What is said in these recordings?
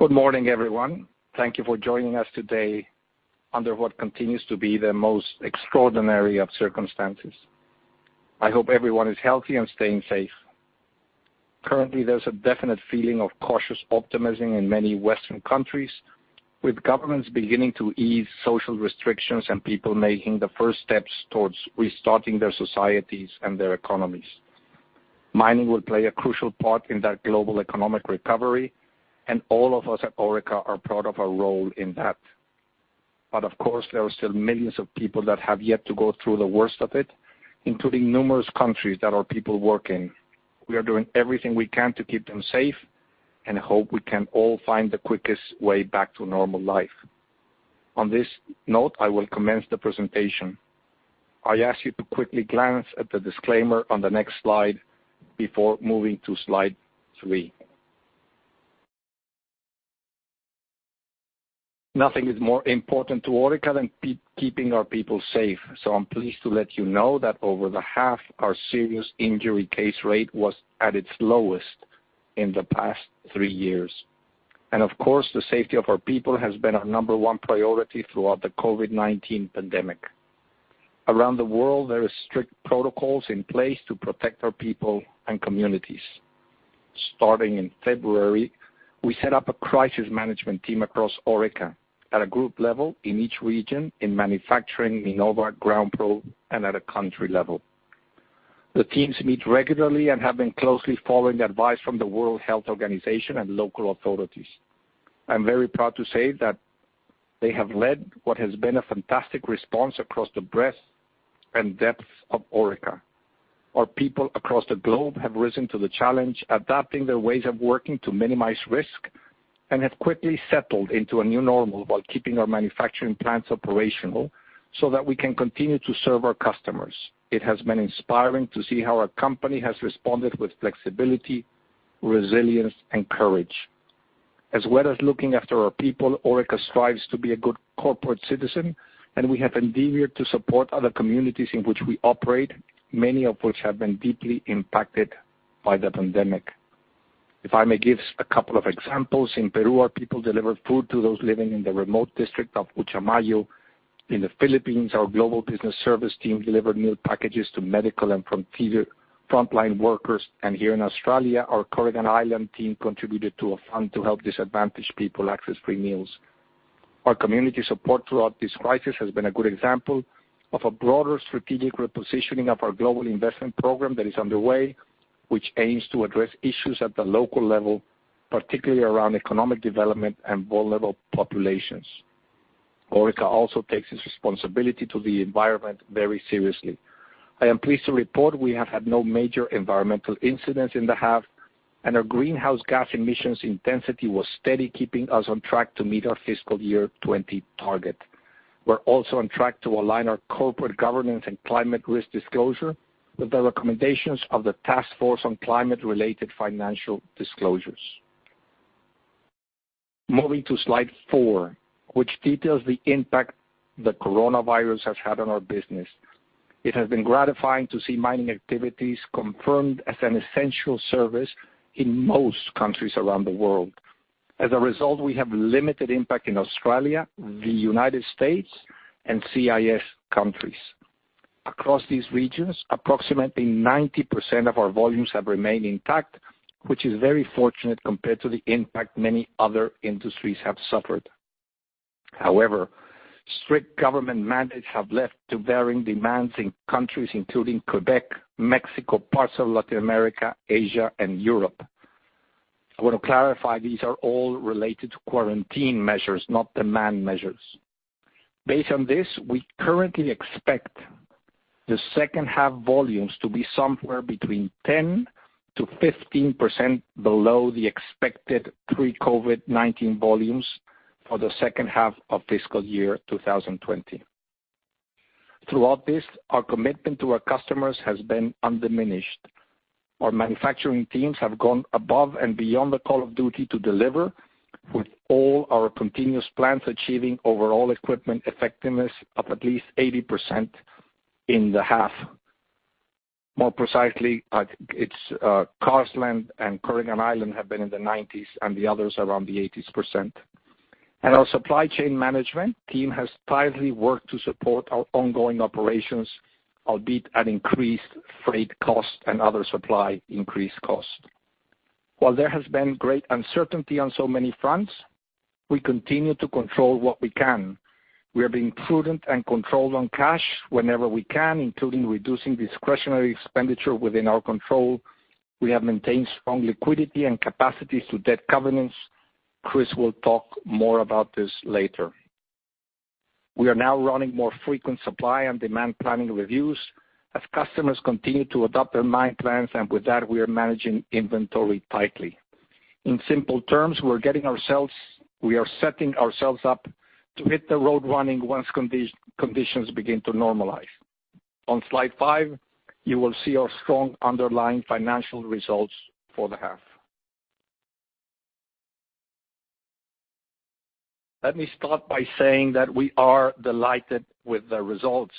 Good morning, everyone. Thank you for joining us today under what continues to be the most extraordinary of circumstances. I hope everyone is healthy and staying safe. Currently, there's a definite feeling of cautious optimism in many Western countries, with governments beginning to ease social restrictions and people making the first steps towards restarting their societies and their economies. Mining will play a crucial part in that global economic recovery, and all of us at Orica are proud of our role in that. Of course, there are still millions of people that have yet to go through the worst of it, including numerous countries that our people work in. We are doing everything we can to keep them safe. Hope we can all find the quickest way back to normal life. On this note, I will commence the presentation. I ask you to quickly glance at the disclaimer on the next slide before moving to slide three. Nothing is more important to Orica than keeping our people safe. I'm pleased to let you know that over the half, our serious injury case rate was at its lowest in the past three years. Of course, the safety of our people has been our number one priority throughout the COVID-19 pandemic. Around the world, there are strict protocols in place to protect our people and communities. Starting in February, we set up a crisis management team across Orica at a group level in each region, in manufacturing, in Minova, GroundProbe, and at a country level. The teams meet regularly and have been closely following advice from the World Health Organization and local authorities. I'm very proud to say that they have led what has been a fantastic response across the breadth and depth of Orica. Our people across the globe have risen to the challenge, adapting their ways of working to minimize risk. Have quickly settled into a new normal while keeping our manufacturing plants operational so that we can continue to serve our customers. It has been inspiring to see how our company has responded with flexibility, resilience, and courage. As well as looking after our people, Orica strives to be a good corporate citizen. We have endeavored to support other communities in which we operate, many of which have been deeply impacted by the pandemic. If I may give a couple of examples, in Peru, our people delivered food to those living in the remote district of Uchumayo. In the Philippines, our global business service team delivered meal packages to medical and frontline workers. Here in Australia, our Kooragang Island team contributed to a fund to help disadvantaged people access free meals. Our community support throughout this crisis has been a good example of a broader strategic repositioning of our global investment program that is underway, which aims to address issues at the local level, particularly around economic development and vulnerable populations. Orica also takes its responsibility to the environment very seriously. I am pleased to report we have had no major environmental incidents in the half. Our greenhouse gas emissions intensity was steady, keeping us on track to meet our fiscal year 2020 target. We're also on track to align our corporate governance and climate risk disclosure with the recommendations of the Task Force on Climate-related Financial Disclosures. Moving to slide four, which details the impact the coronavirus has had on our business. It has been gratifying to see mining activities confirmed as an essential service in most countries around the world. As a result, we have limited impact in Australia, the U.S., and CIS countries. Across these regions, approximately 90% of our volumes have remained intact, which is very fortunate compared to the impact many other industries have suffered. However, strict government mandates have led to varying demands in countries including Quebec, Mexico, parts of Latin America, Asia, and Europe. I want to clarify, these are all related to quarantine measures, not demand measures. Based on this, we currently expect the second half volumes to be somewhere between 10%-15% below the expected pre-COVID-19 volumes for the second half of fiscal year 2020. Throughout this, our commitment to our customers has been undiminished. Our manufacturing teams have gone above and beyond the call of duty to deliver, with all our continuous plants achieving overall equipment effectiveness of at least 80% in the half. More precisely, I think it's Carsland and Kooragang Island have been in the 90s, and the others around the 80s percent. Our supply chain management team has tightly worked to support our ongoing operations, albeit at increased freight costs and other supply increased costs. While there has been great uncertainty on so many fronts, we continue to control what we can. We are being prudent and controlled on cash whenever we can, including reducing discretionary expenditure within our control. We have maintained strong liquidity and capacity to debt covenants. Chris will talk more about this later. We are now running more frequent supply and demand planning reviews as customers continue to adopt their mine plans. With that, we are managing inventory tightly. In simple terms, we are setting ourselves up to hit the road running once conditions begin to normalize. On slide five, you will see our strong underlying financial results for the half. Let me start by saying that we are delighted with the results.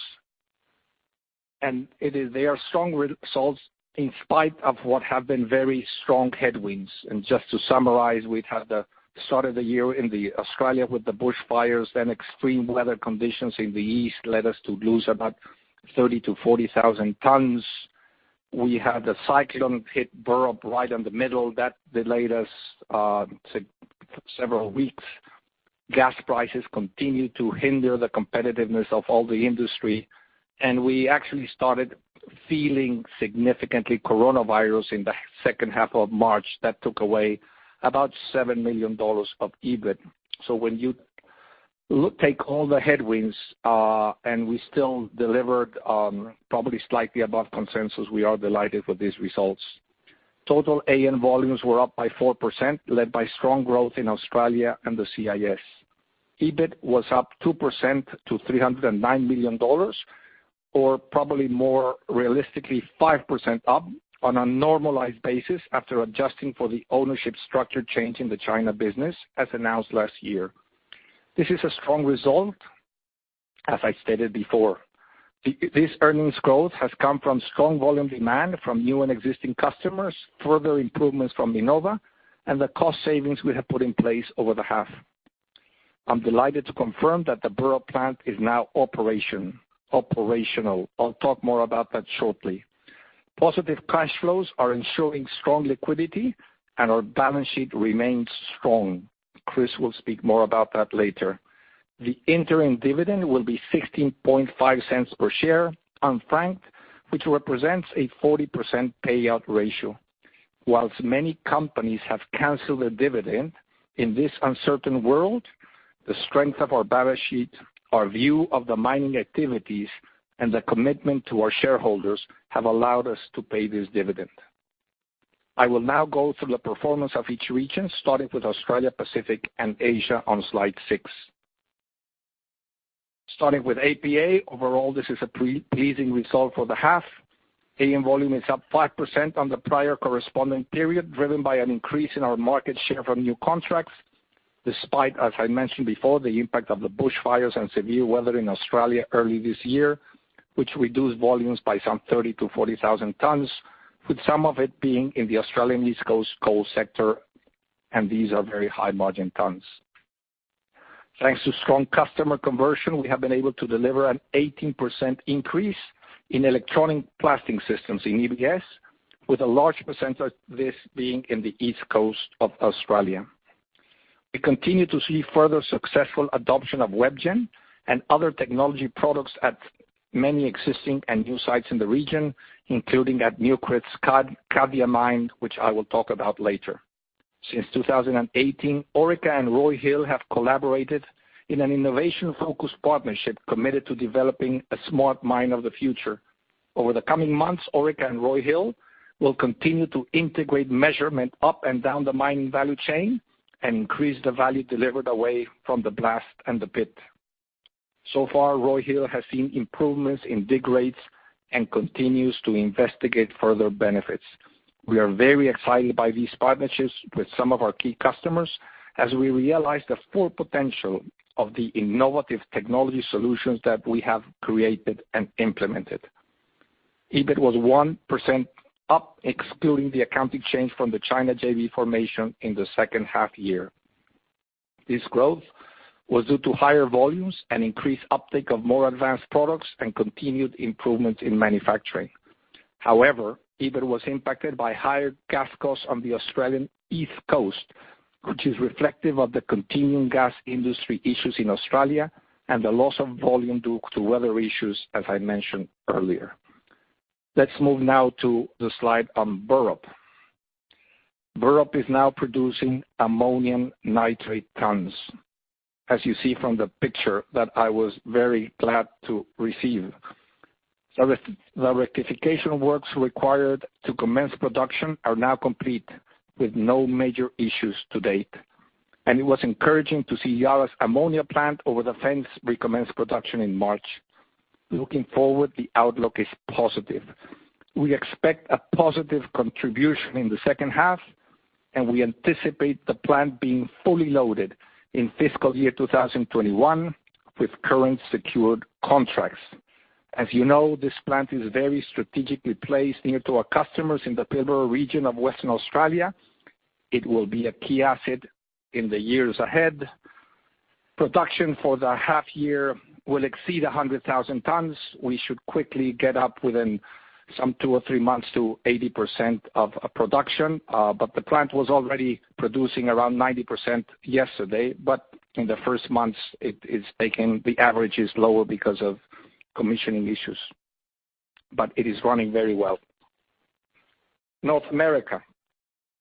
They are strong results in spite of what have been very strong headwinds. Just to summarize, we've had the start of the year in Australia with the bushfires, then extreme weather conditions in the east led us to lose about 30,000-40,000 tons. We had the cyclone hit Burrup right in the middle, that delayed us several weeks. Gas prices continued to hinder the competitiveness of all the industry. We actually started feeling significantly coronavirus in the second half of March. That took away about 7 million dollars of EBIT. When you take all the headwinds, we still delivered on probably slightly above consensus. We are delighted with these results. Total AN volumes were up by 4%, led by strong growth in Australia and the CIS. EBIT was up 2% to 309 million dollars, or probably more realistically, 5% up on a normalized basis after adjusting for the ownership structure change in the China business as announced last year. This is a strong result, as I stated before. This earnings growth has come from strong volume demand from new and existing customers, further improvements from Minova, and the cost savings we have put in place over the half. I'm delighted to confirm that the Burrup plant is now operational. I'll talk more about that shortly. Positive cash flows are ensuring strong liquidity. Our balance sheet remains strong. Chris will speak more about that later. The interim dividend will be 0.165 per share unfranked, which represents a 40% payout ratio. Whilst many companies have canceled their dividend in this uncertain world, the strength of our balance sheet, our view of the mining activities, and the commitment to our shareholders have allowed us to pay this dividend. I will now go through the performance of each region, starting with Australia Pacific and Asia on slide six. Starting with APA. Overall, this is a pleasing result for the half. AN volume is up 5% on the prior corresponding period, driven by an increase in our market share from new contracts, despite, as I mentioned before, the impact of the bushfires and severe weather in Australia early this year, which reduced volumes by some 30,000-40,000 tons, with some of it being in the Australian East Coast coal sector. These are very high margin tons. Thanks to strong customer conversion, we have been able to deliver an 18% increase in electronic blasting systems in EBS, with a large percentage of this being in the East Coast of Australia. We continue to see further successful adoption of WebGen and other technology products at many existing and new sites in the region, including at Newcrest Cadia Mine, which I will talk about later. Since 2018, Orica and Roy Hill have collaborated in an innovation-focused partnership committed to developing a smart mine of the future. Over the coming months, Orica and Roy Hill will continue to integrate measurement up and down the mining value chain and increase the value delivered away from the blast and the pit. So far, Roy Hill has seen improvements in dig rates and continues to investigate further benefits. We are very excited by these partnerships with some of our key customers as we realize the full potential of the innovative technology solutions that we have created and implemented. EBIT was 1% up, excluding the accounting change from the China JV formation in the second half year. This growth was due to higher volumes and increased uptake of more advanced products and continued improvements in manufacturing. However, EBIT was impacted by higher gas costs on the Australian East Coast, which is reflective of the continuing gas industry issues in Australia and the loss of volume due to weather issues, as I mentioned earlier. Let's move now to the slide on Burrup. Burrup is now producing ammonium nitrate tons, as you see from the picture that I was very glad to receive. The rectification works required to commence production are now complete with no major issues to date. It was encouraging to see Yara's ammonia plant over the fence recommence production in March. Looking forward, the outlook is positive. We expect a positive contribution in the second half, and we anticipate the plant being fully loaded in fiscal year 2021 with current secured contracts. As you know, this plant is very strategically placed near to our customers in the Pilbara region of Western Australia. It will be a key asset in the years ahead. Production for the half year will exceed 100,000 tons. We should quickly get up within some two or three months to 80% of production. The plant was already producing around 90% yesterday. In the first months, the average is lower because of commissioning issues. It is running very well. North America.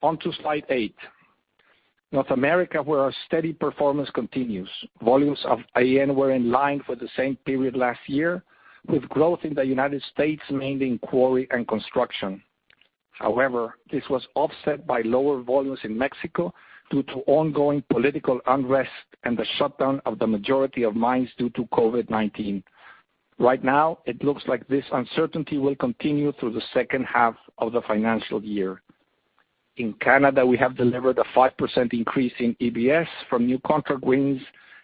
On to slide eight. North America, where our steady performance continues. Volumes of AN were in line for the same period last year, with growth in the U.S., mainly in quarry and construction. However, this was offset by lower volumes in Mexico due to ongoing political unrest and the shutdown of the majority of mines due to COVID-19. Right now, it looks like this uncertainty will continue through the second half of the financial year. In Canada, we have delivered a 5% increase in EBS from new contract wins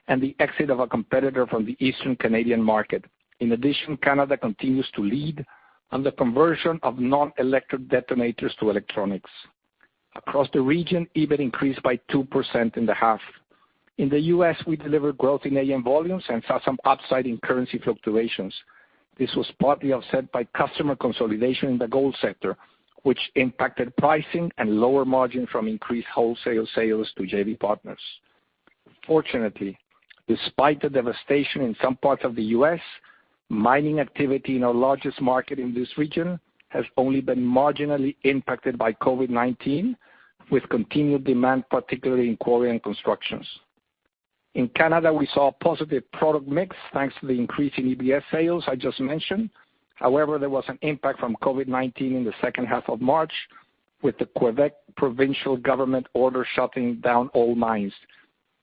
and the exit of a competitor from the eastern Canadian market. In addition, Canada continues to lead on the conversion of nonelectric detonators to electronics. Across the region, EBIT increased by 2% in the half. In the U.S., we delivered growth in AN volumes and saw some upside in currency fluctuations. This was partly offset by customer consolidation in the gold sector, which impacted pricing and lower margin from increased wholesale sales to JV partners. Fortunately, despite the devastation in some parts of the U.S., mining activity in our largest market in this region has only been marginally impacted by COVID-19, with continued demand, particularly in quarry and constructions. In Canada, we saw a positive product mix, thanks to the increase in EBS sales I just mentioned. There was an impact from COVID-19 in the second half of March with the Quebec provincial government order shutting down all mines.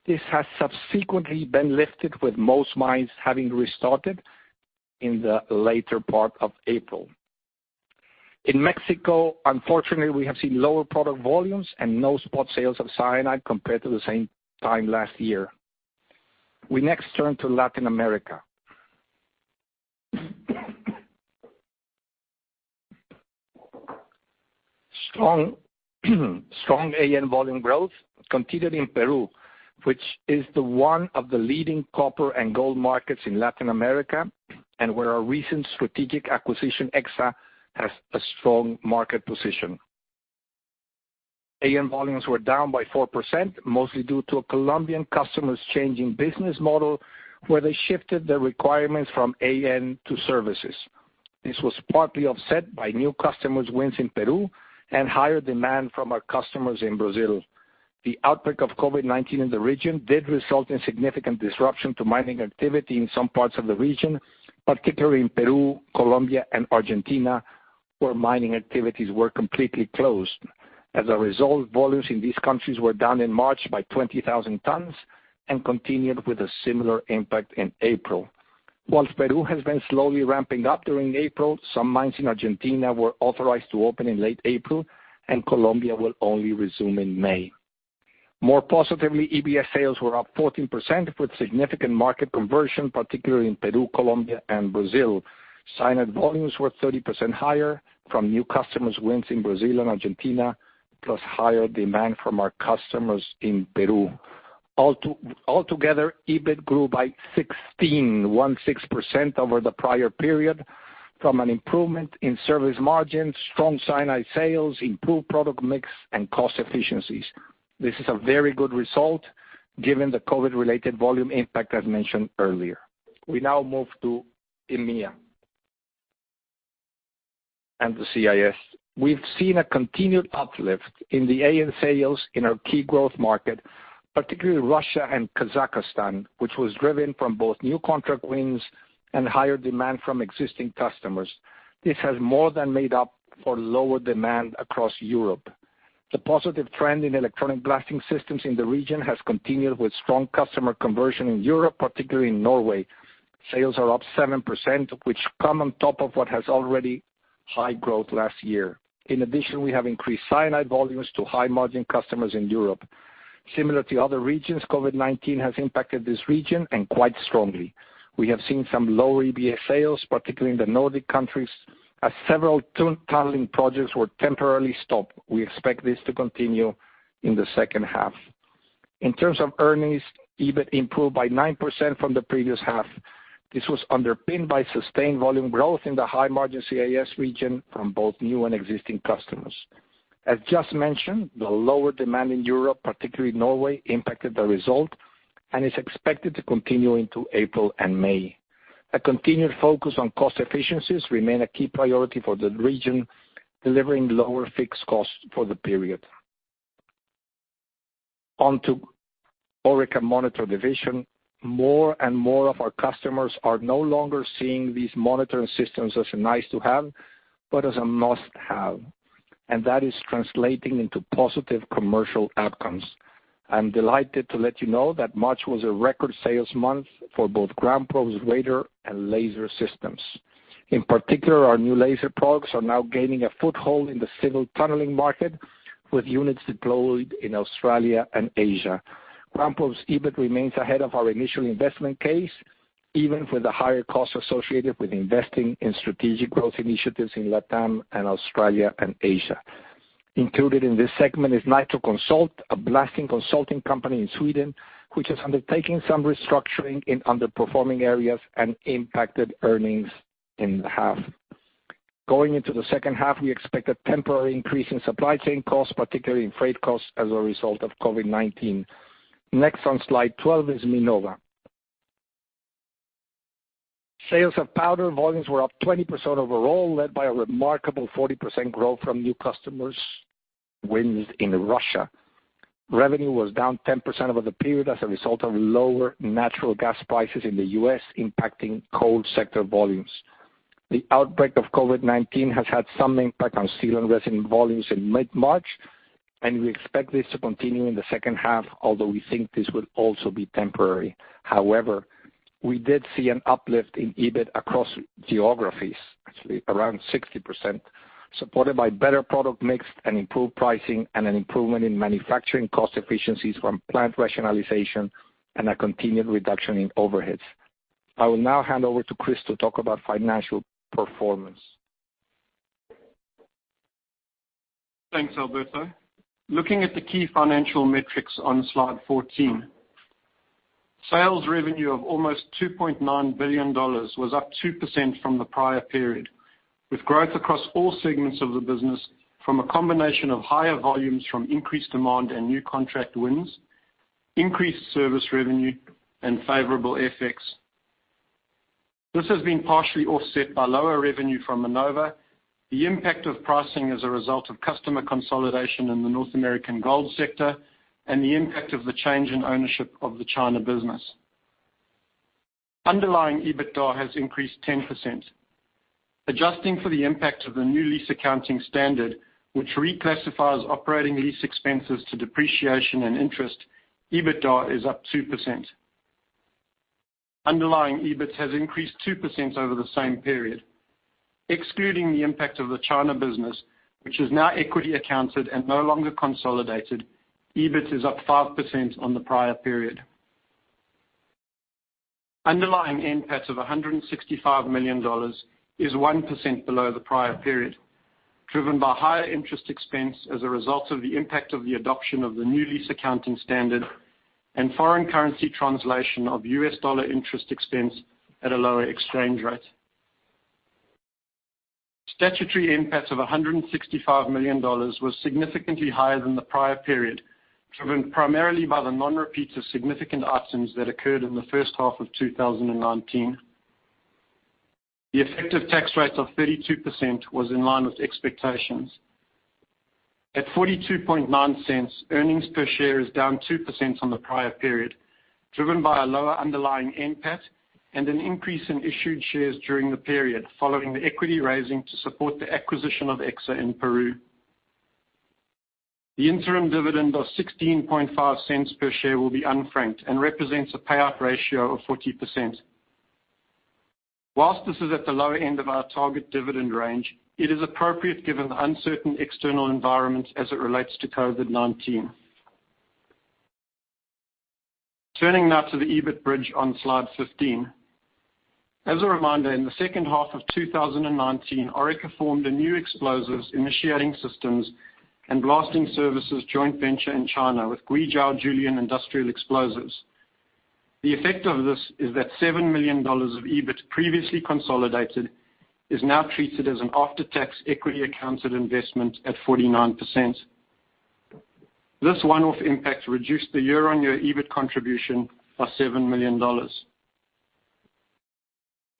This has subsequently been lifted, with most mines having restarted in the later part of April. In Mexico, unfortunately, we have seen lower product volumes and no spot sales of cyanide compared to the same time last year. We next turn to Latin America. Strong AN volume growth continued in Peru, which is the one of the leading copper and gold markets in Latin America, and where our recent strategic acquisition, Exsa, has a strong market position. AN volumes were down by 4%, mostly due to a Colombian customer's changing business model, where they shifted their requirements from AN to services. This was partly offset by new customers wins in Peru and higher demand from our customers in Brazil. The outbreak of COVID-19 in the region did result in significant disruption to mining activity in some parts of the region, particularly in Peru, Colombia, and Argentina, where mining activities were completely closed. As a result, volumes in these countries were down in March by 20,000 tons and continued with a similar impact in April. Whilst Peru has been slowly ramping up during April, some mines in Argentina were authorized to open in late April, and Colombia will only resume in May. More positively, EBS sales were up 14% with significant market conversion, particularly in Peru, Colombia, and Brazil. Cyanide volumes were 30% higher from new customers wins in Brazil and Argentina, plus higher demand from our customers in Peru. All together, EBIT grew by 16% over the prior period from an improvement in service margins, strong cyanide sales, improved product mix, and cost efficiencies. This is a very good result given the COVID-related volume impact I mentioned earlier. We now move to EMEA and the CIS. We have seen a continued uplift in the AN sales in our key growth market, particularly Russia and Kazakhstan, which was driven from both new contract wins and higher demand from existing customers. This has more than made up for lower demand across Europe. The positive trend in electronic blasting systems in the region has continued with strong customer conversion in Europe, particularly in Norway. Sales are up 7%, which come on top of what has already high growth last year. In addition, we have increased cyanide volumes to high-margin customers in Europe. Similar to other regions, COVID-19 has impacted this region, and quite strongly. We have seen some low EBS sales, particularly in the Nordic countries, as several tunneling projects were temporarily stopped. We expect this to continue in the second half. In terms of earnings, EBIT improved by 9% from the previous half. This was underpinned by sustained volume growth in the high-margin CIS region from both new and existing customers. As just mentioned, the lower demand in Europe, particularly Norway, impacted the result and is expected to continue into April and May. A continued focus on cost efficiencies remain a key priority for the region, delivering lower fixed costs for the period. On to Orica Monitor Division. More and more of our customers are no longer seeing these monitoring systems as a nice to have, but as a must have, and that is translating into positive commercial outcomes. I am delighted to let you know that March was a record sales month for both GroundProbe's radar and laser systems. In particular, our new laser products are now gaining a foothold in the civil tunneling market, with units deployed in Australia and Asia. GroundProbe's EBIT remains ahead of our initial investment case, even with the higher costs associated with investing in strategic growth initiatives in LATAM and Australia and Asia. Included in this segment is Nitro Consult, a blasting consulting company in Sweden, which is undertaking some restructuring in underperforming areas and impacted earnings in the half. Going into the second half, we expect a temporary increase in supply chain costs, particularly in freight costs, as a result of COVID-19. On slide 12 is Minova. Sales of powder volumes were up 20% overall, led by a remarkable 40% growth from new customers wins in Russia. Revenue was down 10% over the period as a result of lower natural gas prices in the U.S. impacting coal sector volumes. The outbreak of COVID-19 has had some impact on seal and resin volumes in mid-March, and we expect this to continue in the second half, although we think this will also be temporary. We did see an uplift in EBIT across geographies, actually around 60%, supported by better product mix and improved pricing, and an improvement in manufacturing cost efficiencies from plant rationalization and a continued reduction in overheads. I will now hand over to Chris to talk about financial performance. Thanks, Alberto. Looking at the key financial metrics on slide 14. Sales revenue of almost 2.9 billion dollars was up 2% from the prior period, with growth across all segments of the business from a combination of higher volumes from increased demand and new contract wins, increased service revenue, and favorable FX. This has been partially offset by lower revenue from Minova, the impact of pricing as a result of customer consolidation in the North American gold sector, and the impact of the change in ownership of the China business. Underlying EBITDA has increased 10%. Adjusting for the impact of the new lease accounting standard, which reclassifies operating lease expenses to depreciation and interest, EBITDA is up 2%. Underlying EBIT has increased 2% over the same period. Excluding the impact of the China business, which is now equity accounted and no longer consolidated, EBIT is up 5% on the prior period. Underlying NPAT of 165 million dollars is 1% below the prior period, driven by higher interest expense as a result of the impact of the adoption of the new lease accounting standard and foreign currency translation of U.S. dollar interest expense at a lower exchange rate. Statutory NPAT of 165 million dollars was significantly higher than the prior period, driven primarily by the non-repeat of significant items that occurred in the first half of 2019. The effective tax rate of 32% was in line with expectations. At 0.429, earnings per share is down 2% on the prior period, driven by a lower underlying NPAT and an increase in issued shares during the period following the equity raising to support the acquisition of Exsa in Peru. The interim dividend of 0.165 per share will be unfranked and represents a payout ratio of 40%. Whilst this is at the lower end of our target dividend range, it is appropriate given the uncertain external environment as it relates to COVID-19. Turning now to the EBIT bridge on slide 15. As a reminder, in the second half of 2019, Orica formed a new explosives initiating systems and blasting services joint venture in China with Guizhou Jiulian Industrial Explosives. The effect of this is that 7 million dollars of EBIT previously consolidated is now treated as an after-tax equity accounted investment at 49%. This one-off impact reduced the year-on-year EBIT contribution by 7 million dollars.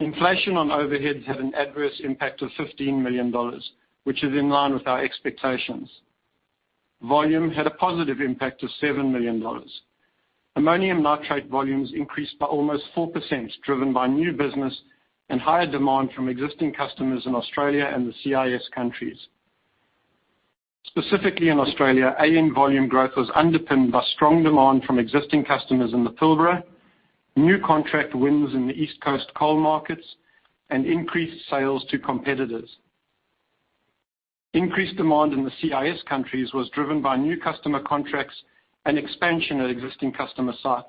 Inflation on overheads had an adverse impact of 15 million dollars, which is in line with our expectations. Volume had a positive impact of 7 million dollars. Ammonium nitrate volumes increased by almost 4%, driven by new business and higher demand from existing customers in Australia and the CIS countries. Specifically in Australia, AN volume growth was underpinned by strong demand from existing customers in the Pilbara, new contract wins in the East Coast coal markets, and increased sales to competitors. Increased demand in the CIS countries was driven by new customer contracts and expansion at existing customer sites.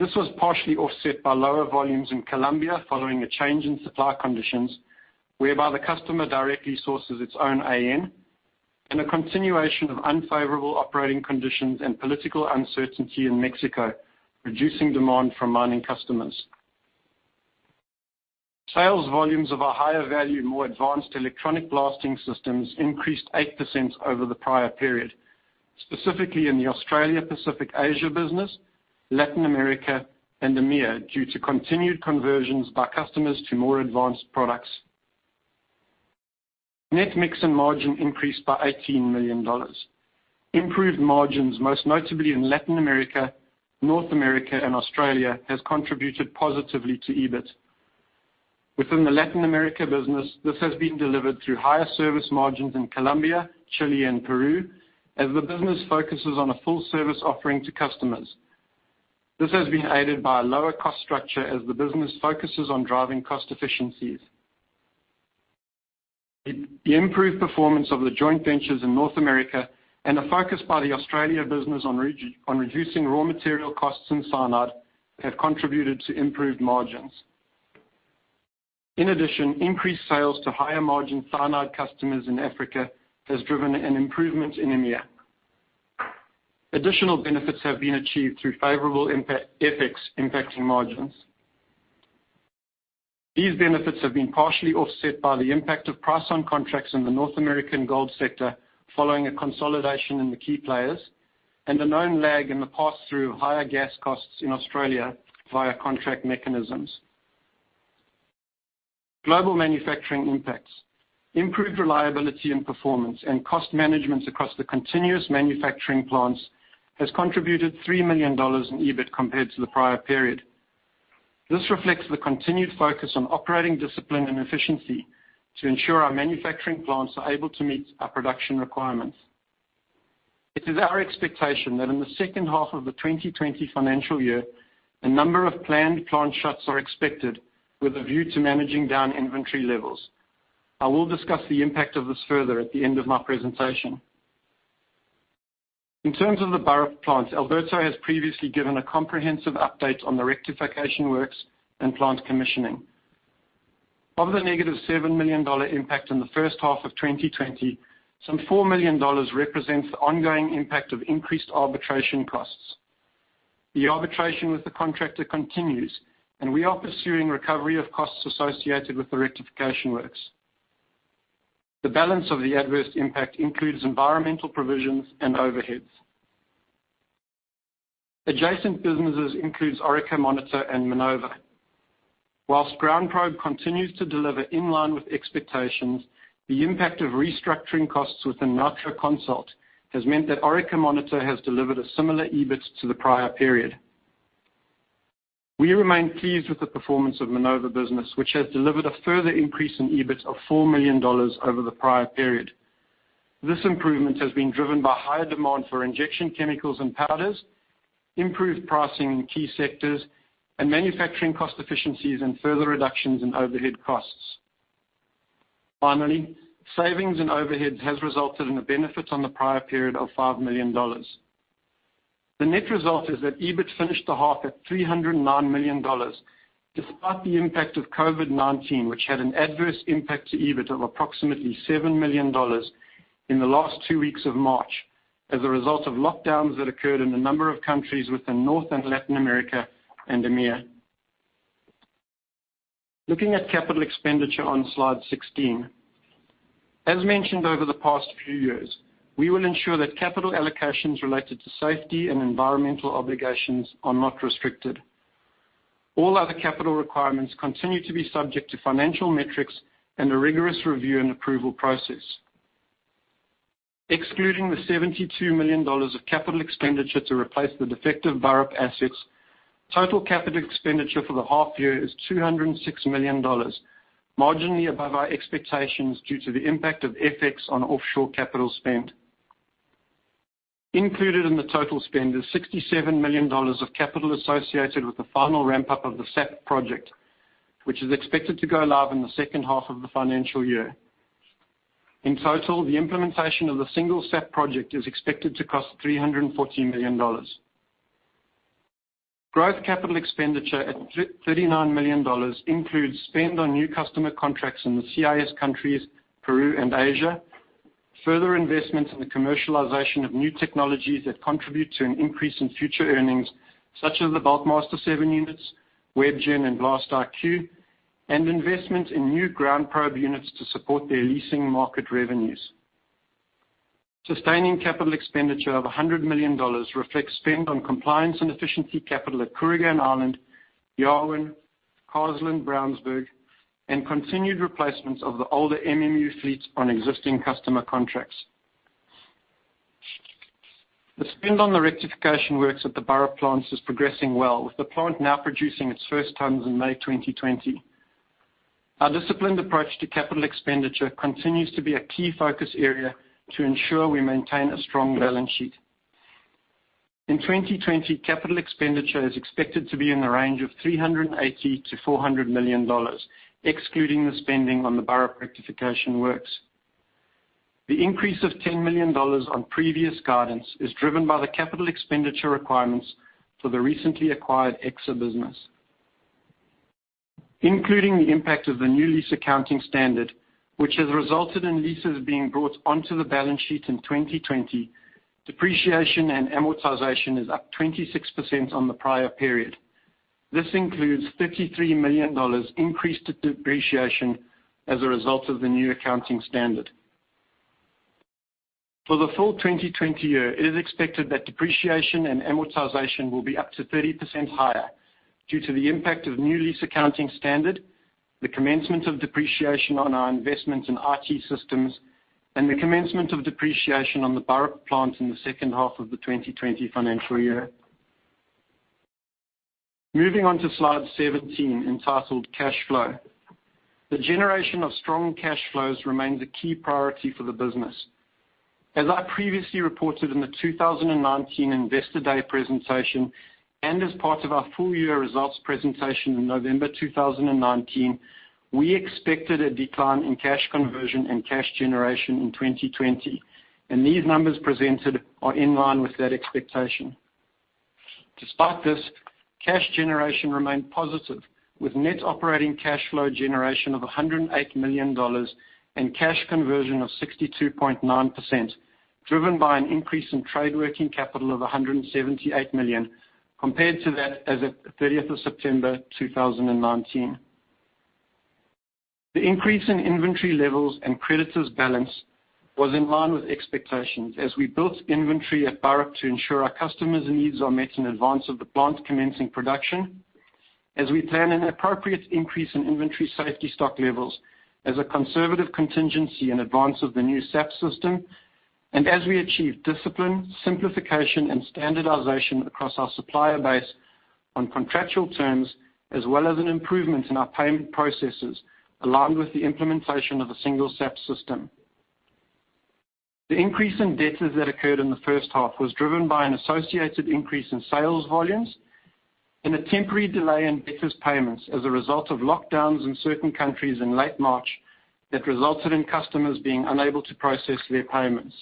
This was partially offset by lower volumes in Colombia following a change in supply conditions, whereby the customer directly sources its own AN and a continuation of unfavorable operating conditions and political uncertainty in Mexico, reducing demand from mining customers. Sales volumes of our higher value, more advanced electronic blasting systems increased 8% over the prior period, specifically in the Australia, Pacific Asia business, Latin America, and EMEA, due to continued conversions by customers to more advanced products. Net mix and margin increased by 18 million dollars. Improved margins, most notably in Latin America, North America, and Australia, has contributed positively to EBIT. Within the Latin America business, this has been delivered through higher service margins in Colombia, Chile, and Peru as the business focuses on a full service offering to customers. This has been aided by a lower cost structure as the business focuses on driving cost efficiencies. The improved performance of the joint ventures in North America and a focus by the Australia business on reducing raw material costs in cyanide have contributed to improved margins. In addition, increased sales to higher margin cyanide customers in Africa has driven an improvement in EMEA. Additional benefits have been achieved through favorable FX impacting margins. These benefits have been partially offset by the impact of price on contracts in the North American gold sector following a consolidation in the key players, and a known lag in the pass-through of higher gas costs in Australia via contract mechanisms. Global manufacturing impacts. Improved reliability and performance and cost management across the continuous manufacturing plants has contributed 3 million dollars in EBIT compared to the prior period. This reflects the continued focus on operating discipline and efficiency to ensure our manufacturing plants are able to meet our production requirements. It is our expectation that in the second half of the 2020 financial year, a number of planned plant shuts are expected with a view to managing down inventory levels. I will discuss the impact of this further at the end of my presentation. In terms of the Burrup plant, Alberto has previously given a comprehensive update on the rectification works and plant commissioning. Of the negative 7 million dollar impact in the first half of 2020, some 4 million dollars represents the ongoing impact of increased arbitration costs. The arbitration with the contractor continues, and we are pursuing recovery of costs associated with the rectification works. The balance of the adverse impact includes environmental provisions and overheads. Adjacent businesses includes Orica Monitor and Minova. Whilst GroundProbe continues to deliver in line with expectations, the impact of restructuring costs within Nitro Consult has meant that Orica Monitor has delivered a similar EBIT to the prior period. We remain pleased with the performance of Minova business, which has delivered a further increase in EBIT of 4 million dollars over the prior period. This improvement has been driven by higher demand for injection chemicals and powders, improved pricing in key sectors, and manufacturing cost efficiencies and further reductions in overhead costs. Finally, savings in overheads has resulted in a benefit on the prior period of 5 million dollars. The net result is that EBIT finished the half at 309 million dollars, despite the impact of COVID-19, which had an adverse impact to EBIT of approximately 7 million dollars in the last two weeks of March as a result of lockdowns that occurred in a number of countries within North and Latin America and EMEA. Looking at capital expenditure on slide 16. As mentioned over the past few years, we will ensure that capital allocations related to safety and environmental obligations are not restricted. All other capital requirements continue to be subject to financial metrics and a rigorous review and approval process. Excluding the 72 million dollars of capital expenditure to replace the defective Burrup assets, total capital expenditure for the half year is 206 million dollars, marginally above our expectations due to the impact of FX on offshore capital spend. Included in the total spend is 67 million dollars of capital associated with the final ramp-up of the SAP project, which is expected to go live in the second half of the financial year. In total, the implementation of the single SAP project is expected to cost 314 million dollars. Growth capital expenditure at 39 million dollars includes spend on new customer contracts in the CIS countries, Peru, and Asia, further investments in the commercialization of new technologies that contribute to an increase in future earnings, such as the Bulkmaster 7 units, WebGen, and BlastIQ, and investment in new GroundProbe units to support their leasing market revenues. Sustaining capital expenditure of 100 million dollars reflects spend on compliance and efficiency capital at Kooragang Island, Yarwun, Carsland, Brownsburg, and continued replacements of the older MMU fleets on existing customer contracts. The spend on the rectification works at the Burrup plants is progressing well, with the plant now producing its first tons in May 2020. Our disciplined approach to capital expenditure continues to be a key focus area to ensure we maintain a strong balance sheet. In 2020, capital expenditure is expected to be in the range of 380 million-400 million dollars, excluding the spending on the Burrup rectification works. The increase of 10 million dollars on previous guidance is driven by the capital expenditure requirements for the recently acquired Exsa business. Including the impact of the new lease accounting standard, which has resulted in leases being brought onto the balance sheet in 2020, depreciation and amortization is up 26% on the prior period. This includes 33 million dollars increased to depreciation as a result of the new accounting standard. For the full 2020 year, it is expected that depreciation and amortization will be up to 30% higher due to the impact of new lease accounting standard, the commencement of depreciation on our investments in IT systems, and the commencement of depreciation on the Burrup plant in the second half of the 2020 financial year. Moving on to slide 17, entitled Cash Flow. The generation of strong cash flows remains a key priority for the business. As I previously reported in the 2019 Investor Day presentation, as part of our full-year results presentation in November 2019, we expected a decline in cash conversion and cash generation in 2020. These numbers presented are in line with that expectation. Despite this, cash generation remained positive, with net operating cash flow generation of 108 million dollars and cash conversion of 62.9%, driven by an increase in trade working capital of 178 million, compared to that as at 30th of September 2019. The increase in inventory levels and creditors' balance was in line with expectations as we built inventory at Burrup to ensure our customers' needs are met in advance of the plant commencing production, as we plan an appropriate increase in inventory safety stock levels as a conservative contingency in advance of the new SAP system, and as we achieve discipline, simplification, and standardization across our supplier base on contractual terms, as well as an improvement in our payment processes, along with the implementation of a single SAP system. The increase in debtors that occurred in the first half was driven by an associated increase in sales volumes and a temporary delay in debtors' payments as a result of lockdowns in certain countries in late March that resulted in customers being unable to process their payments.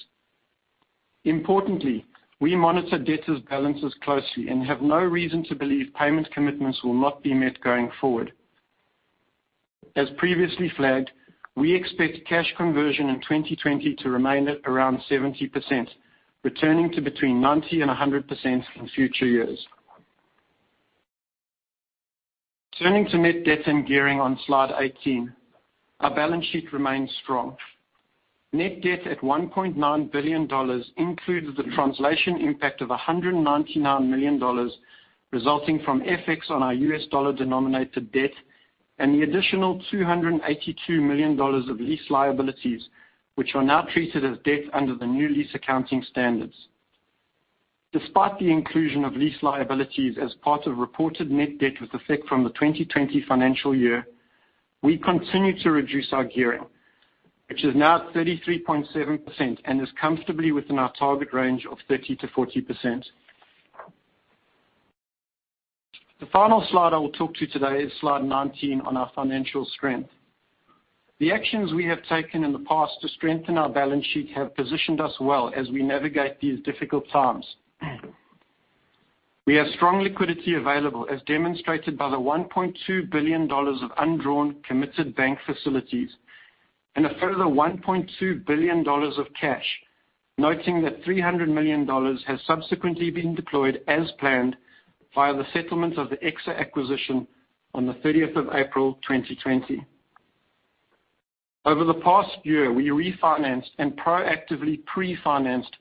Importantly, we monitor debtors' balances closely and have no reason to believe payment commitments will not be met going forward. As previously flagged, we expect cash conversion in 2020 to remain at around 70%, returning to between 90%-100% in future years. Turning to net debt and gearing on slide 18. Our balance sheet remains strong. Net debt at $1.9 billion includes the translation impact of $199 million, resulting from FX on our US dollar-denominated debt, and the additional $282 million of lease liabilities, which are now treated as debt under the new lease accounting standards. Despite the inclusion of lease liabilities as part of reported net debt with effect from the 2020 financial year, we continue to reduce our gearing, which is now at 33.7% and is comfortably within our target range of 30%-40%. The final slide I will talk to today is slide 19 on our financial strength. The actions we have taken in the past to strengthen our balance sheet have positioned us well as we navigate these difficult times. We have strong liquidity available, as demonstrated by the 1.2 billion dollars of undrawn committed bank facilities and a further 1.2 billion dollars of cash, noting that 300 million dollars has subsequently been deployed as planned via the settlement of the Exsa acquisition on the 30th of April 2020. Over the past year, we refinanced and proactively pre-financed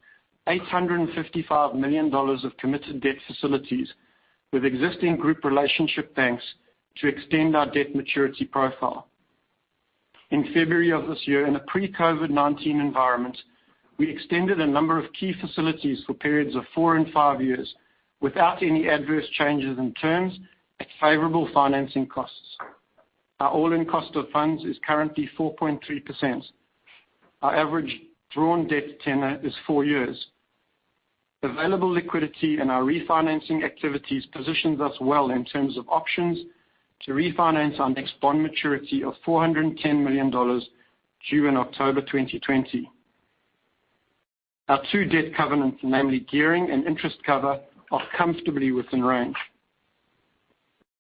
855 million dollars of committed debt facilities with existing group relationship banks to extend our debt maturity profile. In February of this year, in a pre-COVID-19 environment, we extended a number of key facilities for periods of four and five years without any adverse changes in terms at favorable financing costs. Our all-in cost of funds is currently 4.3%. Our average drawn debt tenor is four years. Available liquidity and our refinancing activities positions us well in terms of options to refinance our next bond maturity of 410 million dollars due in October 2020. Our two debt covenants, namely gearing and interest cover, are comfortably within range.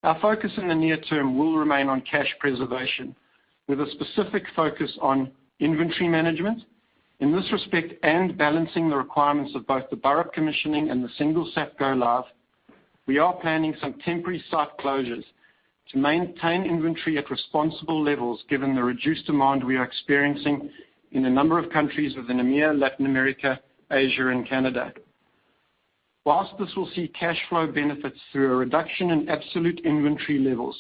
Our focus in the near term will remain on cash preservation, with a specific focus on inventory management. In this respect, and balancing the requirements of both the Burrup commissioning and the single SAP go-live, we are planning some temporary site closures to maintain inventory at responsible levels given the reduced demand we are experiencing in a number of countries within EMEA, Latin America, Asia, and Canada. Whilst this will see cash flow benefits through a reduction in absolute inventory levels,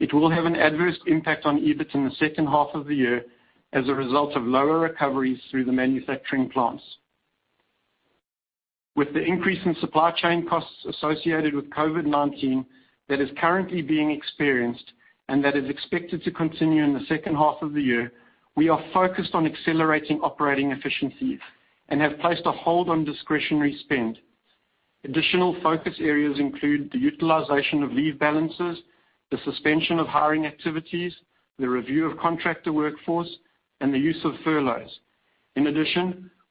it will have an adverse impact on EBIT in the second half of the year as a result of lower recoveries through the manufacturing plants. With the increase in supply chain costs associated with COVID-19 that is currently being experienced and that is expected to continue in the second half of the year, we are focused on accelerating operating efficiencies and have placed a hold on discretionary spend. Additional focus areas include the utilization of leave balances, the suspension of hiring activities, the review of contractor workforce, and the use of furloughs.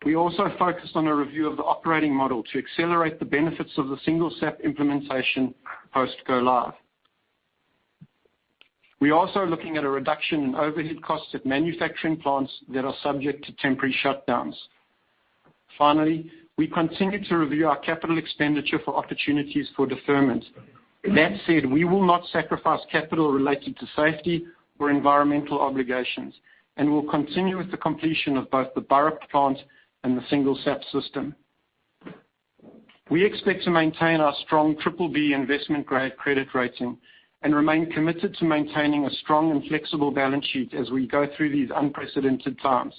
We also focused on a review of the operating model to accelerate the benefits of the single SAP implementation post go-live. We are also looking at a reduction in overhead costs at manufacturing plants that are subject to temporary shutdowns. We continue to review our capital expenditure for opportunities for deferment. That said, we will not sacrifice capital related to safety or environmental obligations and will continue with the completion of both the Burrup plant and the single SAP system. We expect to maintain our strong BBB investment-grade credit rating and remain committed to maintaining a strong and flexible balance sheet as we go through these unprecedented times.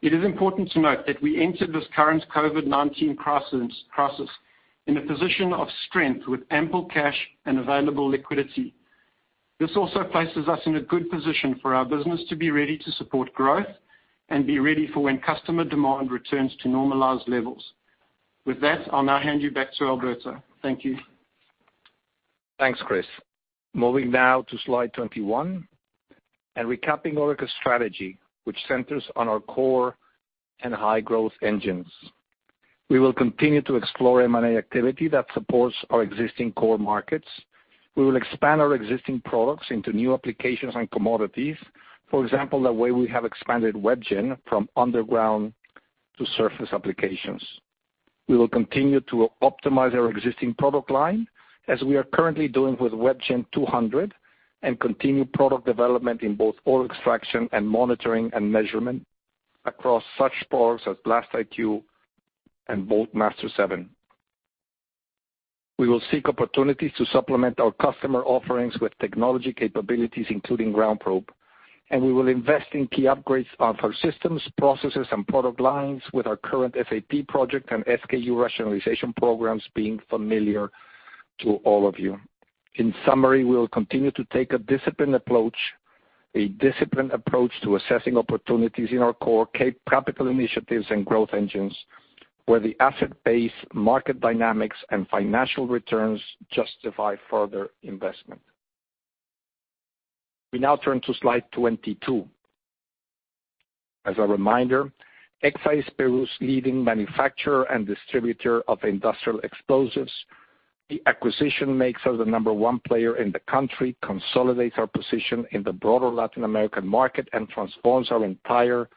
It is important to note that we entered this current COVID-19 crisis in a position of strength with ample cash and available liquidity. This also places us in a good position for our business to be ready to support growth and be ready for when customer demand returns to normalized levels. I'll now hand you back to Alberto. Thank you. Thanks, Chris. Moving now to slide 21 and recapping Orica's strategy, which centers on our core and high-growth engines. We will continue to explore M&A activity that supports our existing core markets. We will expand our existing products into new applications and commodities. For example, the way we have expanded WebGen from underground to surface applications. We will continue to optimize our existing product line, as we are currently doing with WebGen 200, and continue product development in both ore extraction and monitoring and measurement across such products as BlastIQ and Bulkmaster 7. We will seek opportunities to supplement our customer offerings with technology capabilities, including GroundProbe. We will invest in key upgrades of our systems, processes, and product lines with our current SAP project and SKU rationalization programs being familiar to all of you. We'll continue to take a disciplined approach to assessing opportunities in our core capital initiatives and growth engines, where the asset base, market dynamics, and financial returns justify further investment. We now turn to slide 22. As a reminder, Exsa is Peru's leading manufacturer and distributor of industrial explosives. The acquisition makes us the number one player in the country, consolidates our position in the broader Latin American market, and transforms our entire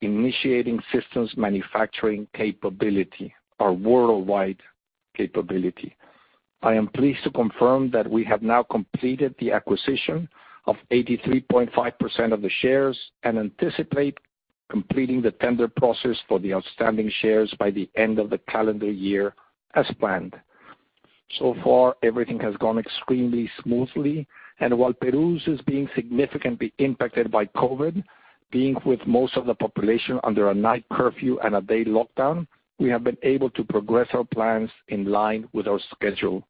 initiating systems manufacturing capability, our worldwide capability. I am pleased to confirm that we have now completed the acquisition of 83.5% of the shares and anticipate completing the tender process for the outstanding shares by the end of the calendar year as planned. Everything has gone extremely smoothly. While Peru is being significantly impacted by COVID-19, being with most of the population under a night curfew and a day lockdown, we have been able to progress our plans in line with our schedule.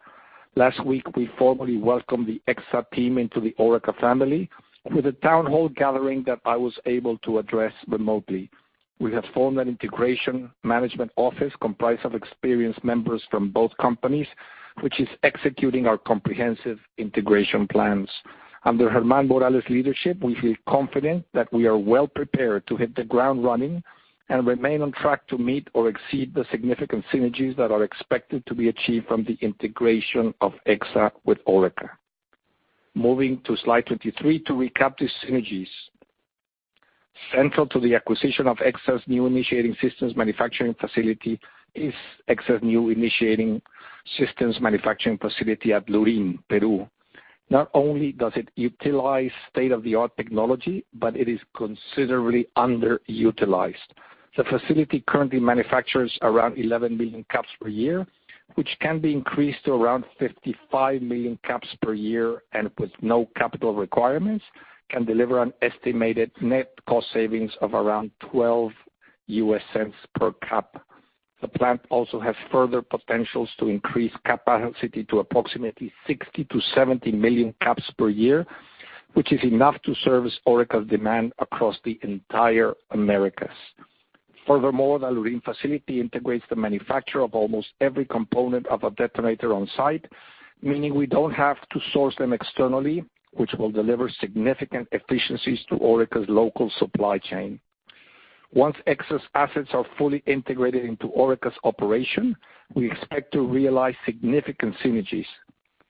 Last week, we formally welcomed the Exsa team into the Orica family with a town hall gathering that I was able to address remotely. We have formed an integration management office comprised of experienced members from both companies, which is executing our comprehensive integration plans. Under Germán Morales' leadership, we feel confident that we are well prepared to hit the ground running, and remain on track to meet or exceed the significant synergies that are expected to be achieved from the integration of Exsa with Orica. Moving to slide 23 to recap the synergies. Central to the acquisition of Exsa's new initiating systems manufacturing facility is Exsa's new initiating systems manufacturing facility at Lurín, Peru. Not only does it utilize state-of-the-art technology, but it is considerably underutilized. The facility currently manufactures around 11 million caps per year, which can be increased to around 55 million caps per year, and with no capital requirements, can deliver an estimated net cost savings of around $0.12 per cap. The plant also has further potentials to increase capacity to approximately 60 million-70 million caps per year, which is enough to service Orica's demand across the entire Americas. Furthermore, the Lurín facility integrates the manufacture of almost every component of a detonator on-site, meaning we don't have to source them externally, which will deliver significant efficiencies to Orica's local supply chain. Once Exsa's assets are fully integrated into Orica's operation, we expect to realize significant synergies.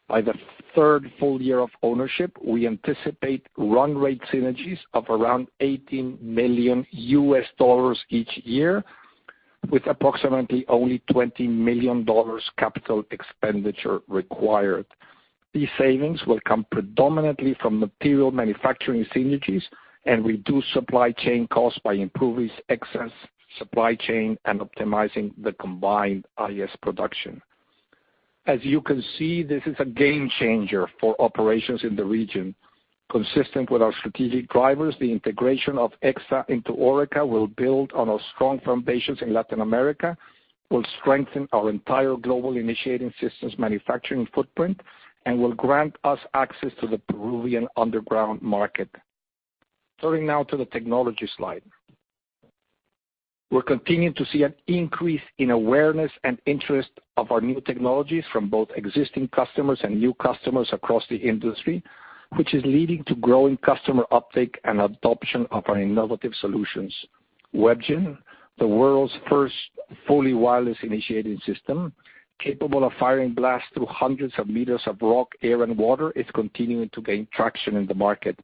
By the third full year of ownership, we anticipate run rate synergies of around $80 million each year, with approximately only $20 million capital expenditure required. These savings will come predominantly from material manufacturing synergies and reduced supply chain costs by improving Exsa supply chain and optimizing the combined IS production. As you can see, this is a game changer for operations in the region. Consistent with our strategic drivers, the integration of Exsa into Orica will build on our strong foundations in Latin America, will strengthen our entire global initiating systems manufacturing footprint, and will grant us access to the Peruvian underground market. Turning now to the technology slide. We're continuing to see an increase in awareness and interest of our new technologies from both existing customers and new customers across the industry, which is leading to growing customer uptake and adoption of our innovative solutions. WebGen, the world's first fully wireless initiating system, capable of firing blasts through hundreds of meters of rock, air, and water, is continuing to gain traction in the market.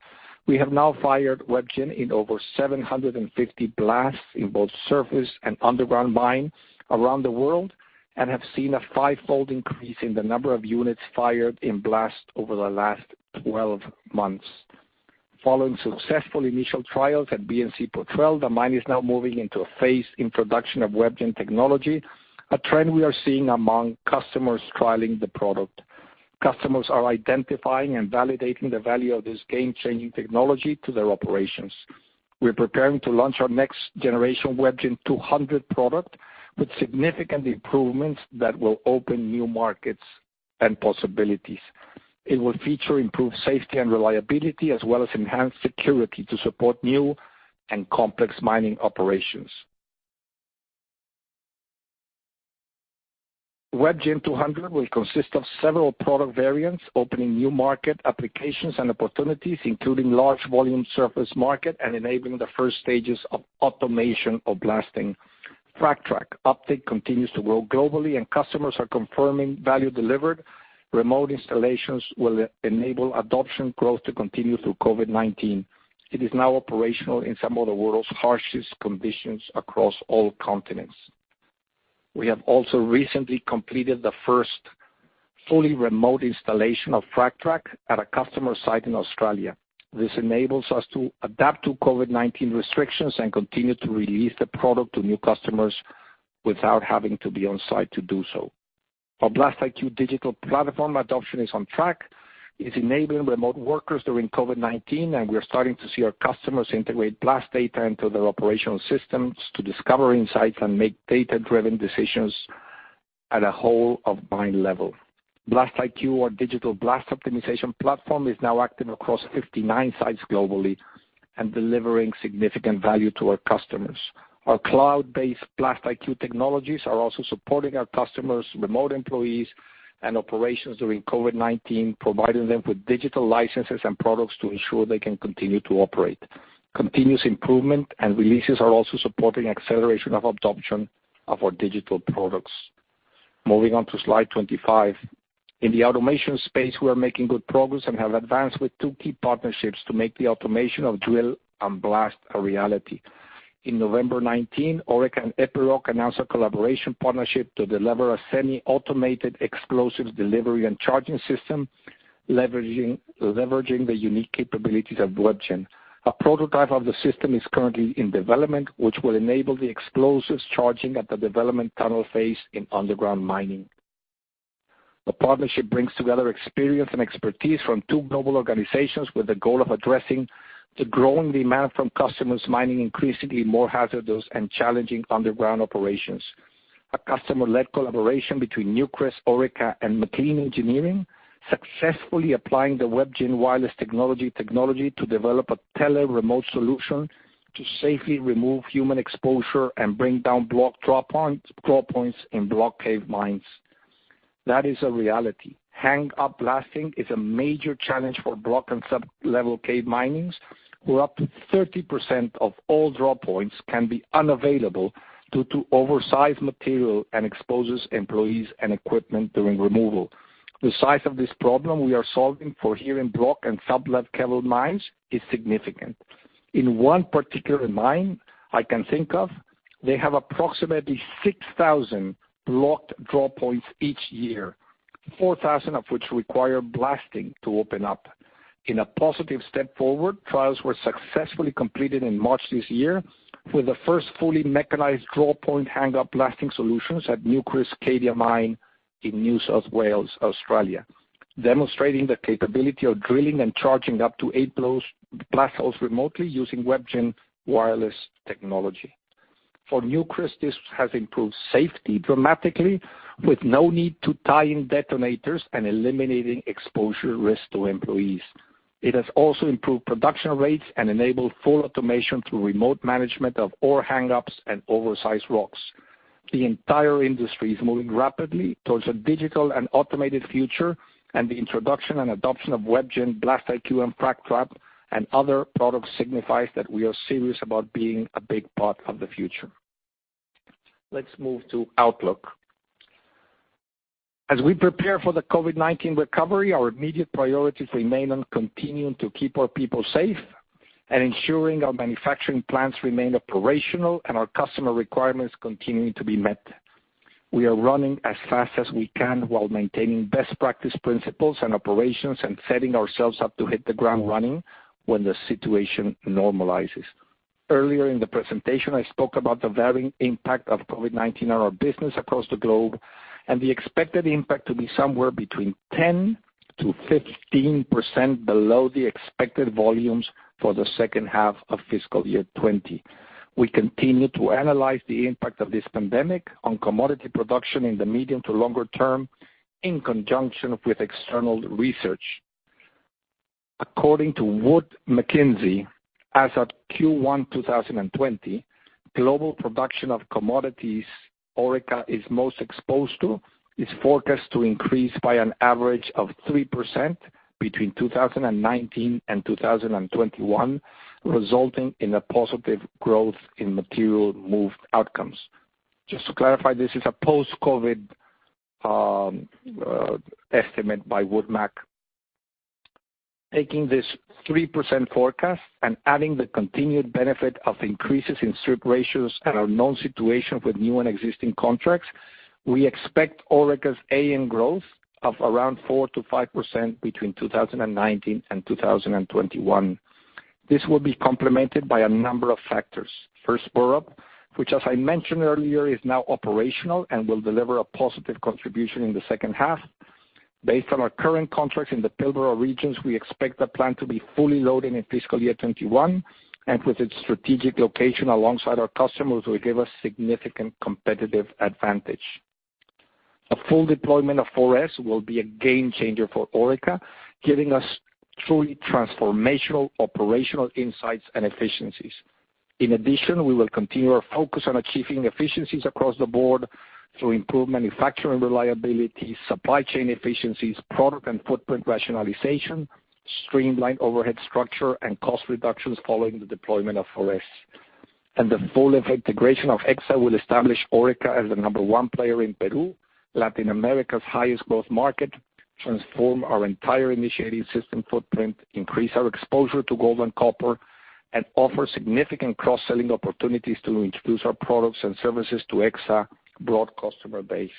We have now fired WebGen in over 750 blasts in both surface and underground mines around the world, and have seen a fivefold increase in the number of units fired in blasts over the last 12 months. Following successful initial trials at BNC Botrel, the mine is now moving into a phased introduction of WebGen technology, a trend we are seeing among customers trialing the product. Customers are identifying and validating the value of this game-changing technology to their operations. We're preparing to launch our next generation WebGen 200 product with significant improvements that will open new markets and possibilities. It will feature improved safety and reliability, as well as enhanced security to support new and complex mining operations. WebGen 200 will consist of several product variants, opening new market applications and opportunities, including large volume surface market and enabling the first stages of automation of blasting. FRAGTrack uptake continues to grow globally, and customers are confirming value delivered. Remote installations will enable adoption growth to continue through COVID-19. It is now operational in some of the world's harshest conditions across all continents. We have also recently completed the first fully remote installation of FRAGTrack at a customer site in Australia. This enables us to adapt to COVID-19 restrictions and continue to release the product to new customers without having to be on-site to do so. Our BlastIQ digital platform adoption is on track. It's enabling remote workers during COVID-19, and we're starting to see our customers integrate blast data into their operational systems to discover insights and make data-driven decisions at a whole of mine level. BlastIQ, our digital blast optimization platform, is now active across 59 sites globally and delivering significant value to our customers. Our cloud-based BlastIQ technologies are also supporting our customers' remote employees and operations during COVID-19, providing them with digital licenses and products to ensure they can continue to operate. Continuous improvement and releases are also supporting acceleration of adoption of our digital products. Moving on to slide 25. In the automation space, we are making good progress and have advanced with two key partnerships to make the automation of drill and blast a reality. In November 2019, Orica and Epiroc announced a collaboration partnership to deliver a semi-automated explosives delivery and charging system, leveraging the unique capabilities of WebGen. A prototype of the system is currently in development, which will enable the explosives charging at the development tunnel phase in underground mining. The partnership brings together experience and expertise from two global organizations with the goal of addressing the growing demand from customers mining increasingly more hazardous and challenging underground operations. A customer-led collaboration between Newcrest, Orica, and MacLean Engineering successfully applying the WebGen wireless technology to develop a tele-remote solution to safely remove human exposure and bring down block drop points in block cave mines. That is a reality. Hang-up blasting is a major challenge for block and sub-level cave minings, where up to 30% of all drop points can be unavailable due to oversized material and exposes employees and equipment during removal. The size of this problem we are solving for here in block and sub-level cave mines is significant. In one particular mine I can think of, they have approximately 6,000 blocked drop points each year, 4,000 of which require blasting to open up. In a positive step forward, trials were successfully completed in March this year with the first fully mechanized drop point hang-up blasting solutions at Newcrest Cadia Mine in New South Wales, Australia, demonstrating the capability of drilling and charging up to eight blast holes remotely using WebGen wireless technology. For Newcrest, this has improved safety dramatically, with no need to tie in detonators and eliminating exposure risk to employees. It has also improved production rates and enabled full automation through remote management of ore hang-ups and oversized rocks. The entire industry is moving rapidly towards a digital and automated future, and the introduction and adoption of WebGen BlastIQ and FRAGTrack and other products signifies that we are serious about being a big part of the future. Let's move to outlook. As we prepare for the COVID-19 recovery, our immediate priorities remain on continuing to keep our people safe and ensuring our manufacturing plants remain operational and our customer requirements continuing to be met. We are running as fast as we can while maintaining best practice principles and operations and setting ourselves up to hit the ground running when the situation normalizes. Earlier in the presentation, I spoke about the varying impact of COVID-19 on our business across the globe and the expected impact to be somewhere between 10%-15% below the expected volumes for the second half of fiscal year 2020. We continue to analyze the impact of this pandemic on commodity production in the medium to longer term, in conjunction with external research. According to Wood Mackenzie, as of Q1 2020, global production of commodities Orica is most exposed to is forecast to increase by an average of 3% between 2019 and 2021, resulting in a positive growth in material moved outcomes. Just to clarify, this is a post-COVID estimate by Wood Mac. Taking this 3% forecast and adding the continued benefit of increases in strip ratios and our known situation with new and existing contracts, we expect Orica's AN growth of around 4%-5% between 2019 and 2021. This will be complemented by a number of factors. First, Burrup, which as I mentioned earlier, is now operational and will deliver a positive contribution in the second half. Based on our current contracts in the Pilbara regions, we expect the plant to be fully loading in fiscal year 2021, and with its strategic location alongside our customers, will give us significant competitive advantage. A full deployment of 4S will be a game changer for Orica, giving us truly transformational operational insights and efficiencies. In addition, we will continue our focus on achieving efficiencies across the board to improve manufacturing reliability, supply chain efficiencies, product and footprint rationalization, streamlined overhead structure, and cost reductions following the deployment of 4S. The full integration of Exsa will establish Orica as the number 1 player in Peru, Latin America's highest growth market, transform our entire initiating system footprint, increase our exposure to gold and copper, and offer significant cross-selling opportunities to introduce our products and services to Exsa broad customer base.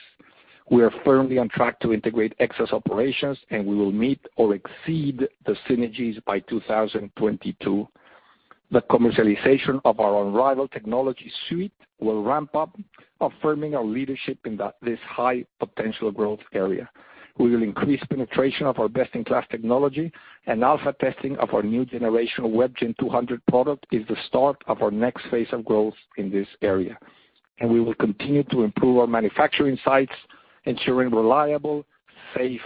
We are firmly on track to integrate Exsa's operations, and we will meet or exceed the synergies by 2022. The commercialization of our unrivaled technology suite will ramp up, affirming our leadership in this high potential growth area. We will increase penetration of our best-in-class technology, and alpha testing of our new generation WebGen 200 product is the start of our next phase of growth in this area. We will continue to improve our manufacturing sites, ensuring reliable, safe,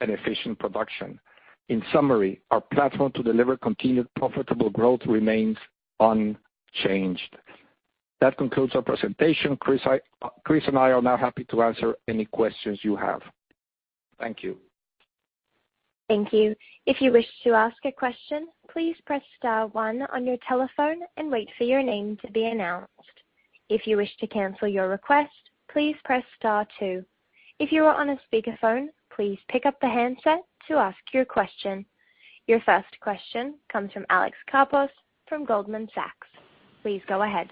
and efficient production. In summary, our platform to deliver continued profitable growth remains unchanged. That concludes our presentation. Chris and I are now happy to answer any questions you have. Thank you. Thank you. If you wish to ask a question, please press star one on your telephone and wait for your name to be announced. If you wish to cancel your request, please press star two. If you are on a speakerphone, please pick up the handset to ask your question. Your first question comes from Alex Kapos from Goldman Sachs. Please go ahead.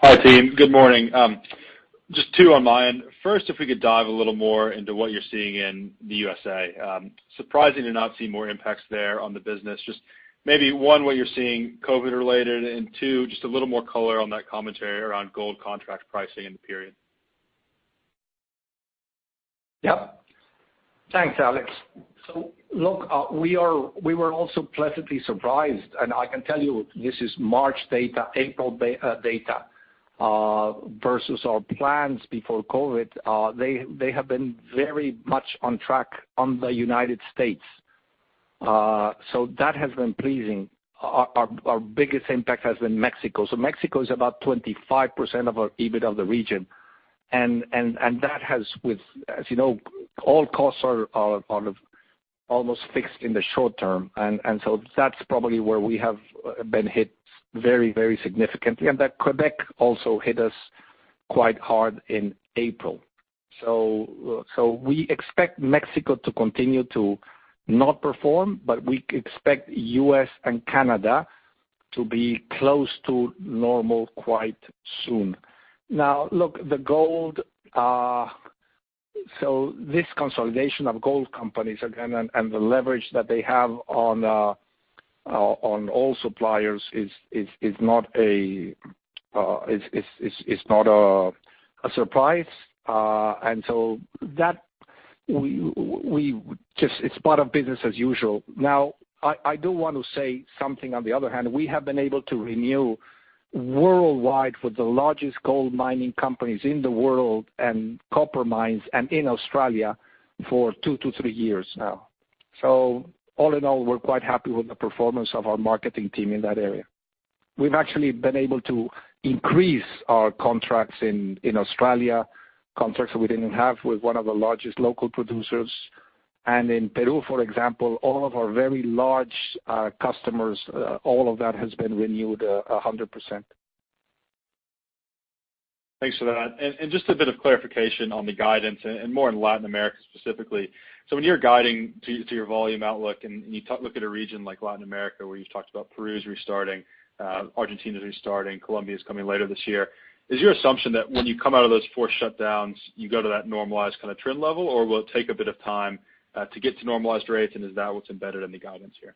Hi, team. Good morning. Just two on my end. First, if we could dive a little more into what you're seeing in the USA. Surprising to not see more impacts there on the business. Just maybe one, what you're seeing COVID related, and two, just a little more color on that commentary around gold contract pricing in the period. Yeah. Thanks, Alex. Look, we were also pleasantly surprised. I can tell you this is March data, April data, versus our plans before COVID. They have been very much on track on the United States. That has been pleasing. Our biggest impact has been Mexico. Mexico is about 25% of our EBITDA the region, and that has with, as you know, all costs are almost fixed in the short term. That's probably where we have been hit very, very significantly. Quebec also hit us quite hard in April. We expect Mexico to continue to not perform, but we expect U.S. and Canada to be close to normal quite soon. Look, the gold. This consolidation of gold companies, again, and the leverage that they have on all suppliers it's not a surprise. It's part of business as usual. I do want to say something on the other hand. We have been able to renew worldwide with the largest gold mining companies in the world and copper mines and in Australia for two to three years now. All in all, we're quite happy with the performance of our marketing team in that area. We've actually been able to increase our contracts in Australia, contracts we didn't have with one of the largest local producers. In Peru, for example, all of our very large customers, all of that has been renewed 100%. Thanks for that. Just a bit of clarification on the guidance and more in Latin America specifically. When you're guiding to your volume outlook, and you look at a region like Latin America where you've talked about Peru's restarting, Argentina's restarting, Colombia's coming later this year. Is your assumption that when you come out of those forced shutdowns, you go to that normalized kind of trend level, or will it take a bit of time to get to normalized rates, and is that what's embedded in the guidance here?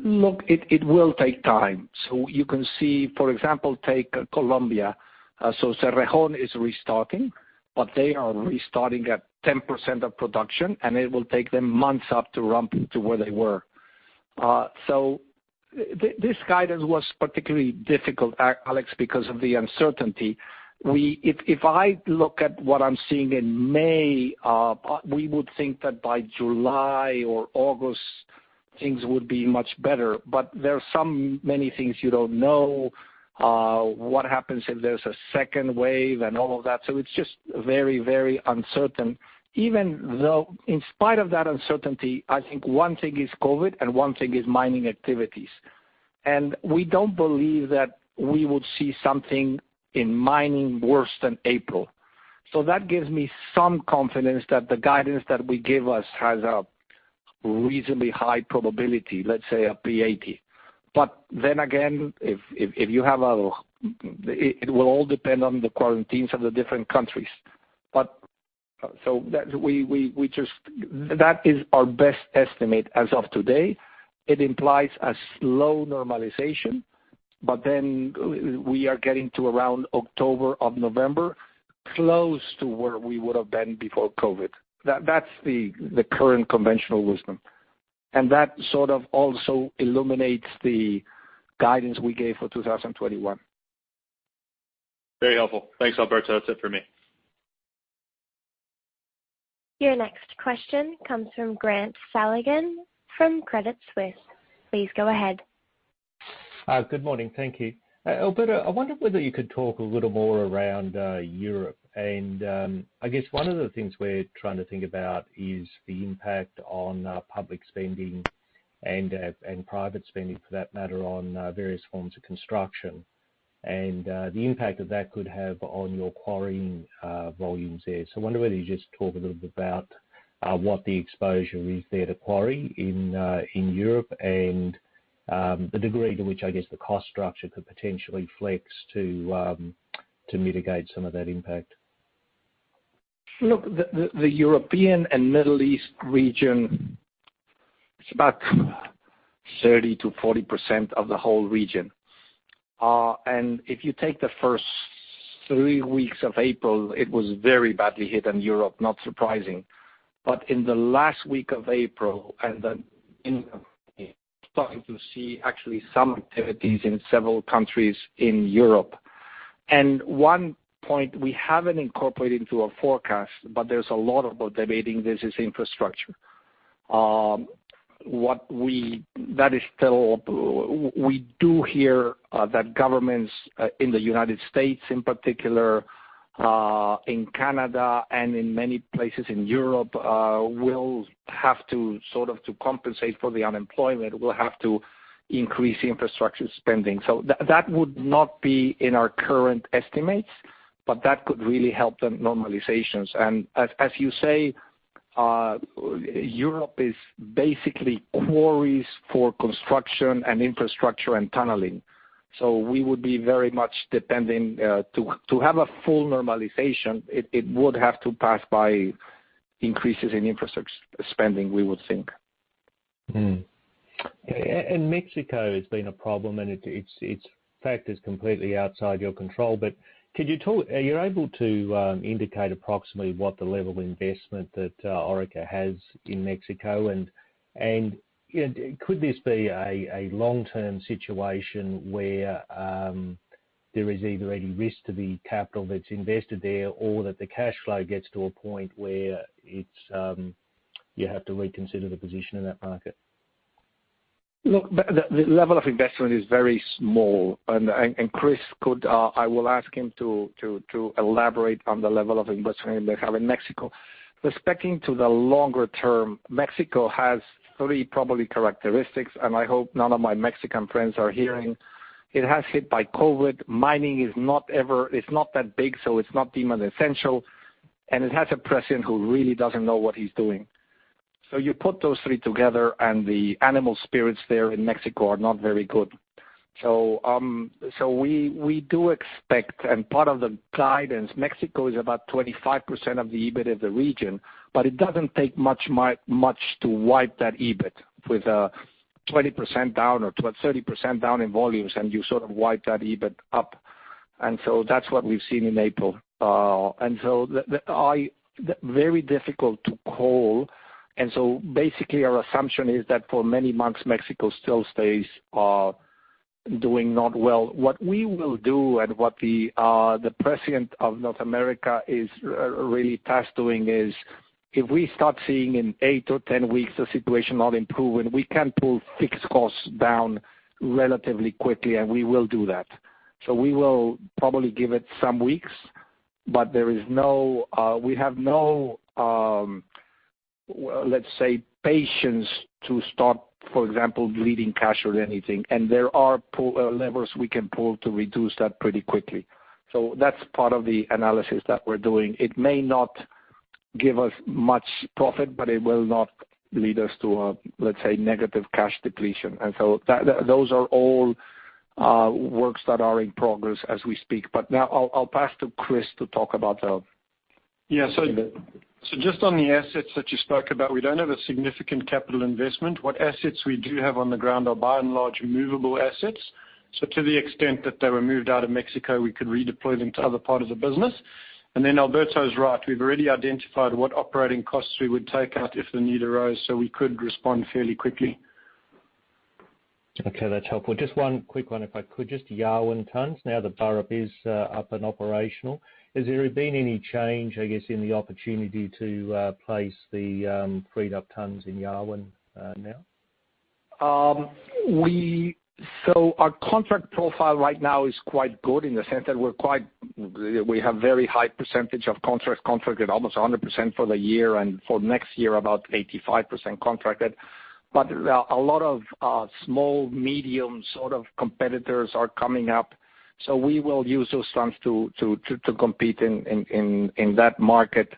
Look, it will take time. You can see, for example, take Colombia. Cerrejón is restarting, but they are restarting at 10% of production, and it will take them months up to ramp to where they were. This guidance was particularly difficult, Alex, because of the uncertainty. If I look at what I'm seeing in May, we would think that by July or August, things would be much better. There are many things you don't know. What happens if there's a second wave and all of that. It's just very, very uncertain. Even though in spite of that uncertainty, I think one thing is COVID and one thing is mining activities. We don't believe that we would see something in mining worse than April. That gives me some confidence that the guidance that we give has a reasonably high probability, let's say a P80. Again, it will all depend on the quarantines of the different countries. That is our best estimate as of today. It implies a slow normalization, but then we are getting to around October or November, close to where we would have been before COVID. That's the current conventional wisdom. That sort of also illuminates the guidance we gave for 2021. Very helpful. Thanks, Alberto. That's it for me. Your next question comes from Grant Saligari from Credit Suisse. Please go ahead. Hi. Good morning. Thank you. Alberto, I wonder whether you could talk a little more around Europe. I guess one of the things we're trying to think about is the impact on public spending and private spending for that matter on various forms of construction, and the impact that that could have on your quarrying volumes there. I wonder whether you could just talk a little bit about what the exposure is there to quarry in Europe and the degree to which, I guess the cost structure could potentially flex to mitigate some of that impact. Look, the European and Middle East region is about 30%-40% of the whole region. If you take the first three weeks of April, it was very badly hit in Europe, not surprising. In the last week of April, then starting to see actually some activities in several countries in Europe. One point we haven't incorporated into our forecast, but there's a lot of debating this, is infrastructure. We do hear that governments in the U.S. in particular, in Canada, and in many places in Europe, to compensate for the unemployment, will have to increase infrastructure spending. That would not be in our current estimates, but that could really help the normalizations. As you say, Europe is basically quarries for construction and infrastructure and tunneling. We would be very much depending to have a full normalization. It would have to pass by increases in infrastructure spending, we would think. Mexico has been a problem, it's factors completely outside your control. Are you able to indicate approximately what the level of investment that Orica has in Mexico and could this be a long-term situation where there is either any risk to the capital that's invested there or that the cash flow gets to a point where you have to reconsider the position in that market? The level of investment is very small, Chris, I will ask him to elaborate on the level of investment they have in Mexico. Respecting to the longer term, Mexico has three probably characteristics, I hope none of my Mexican friends are hearing. It has hit by COVID-19. Mining is not that big, so it's not deemed as essential, it has a president who really doesn't know what he's doing. You put those three together, the animal spirits there in Mexico are not very good. We do expect, part of the guidance, Mexico is about 25% of the EBIT of the region, it doesn't take much to wipe that EBIT with a 20% down or 30% down in volumes, you sort of wipe that EBIT up. That's what we've seen in April. Very difficult to call, basically our assumption is that for many months, Mexico still stays doing not well. What we will do and what the president of North America is really tasked doing is if we start seeing in eight or 10 weeks the situation not improving, we can pull fixed costs down relatively quickly, we will do that. We will probably give it some weeks, we have no, let's say, patience to start, for example, bleeding cash or anything. There are levers we can pull to reduce that pretty quickly. That's part of the analysis that we're doing. It may not give us much profit, it will not lead us to a, let's say, negative cash depletion. Those are all works that are in progress as we speak. Now I'll pass to Chris to talk about. Just on the assets that you spoke about, we don't have a significant capital investment. What assets we do have on the ground are by and large movable assets. To the extent that they were moved out of Mexico, we could redeploy them to other part of the business. Alberto is right. We've already identified what operating costs we would take out if the need arose, so we could respond fairly quickly. That's helpful. Just one quick one, if I could. Just Yarwun tons. Now that Burrup is up and operational, has there been any change, I guess, in the opportunity to place the freed up tons in Yarwun now? Our contract profile right now is quite good in the sense that we have very high percentage of contracts contracted, almost 100% for the year, and for next year, about 85% contracted. A lot of small, medium sort of competitors are coming up. We will use those tons to compete in that market.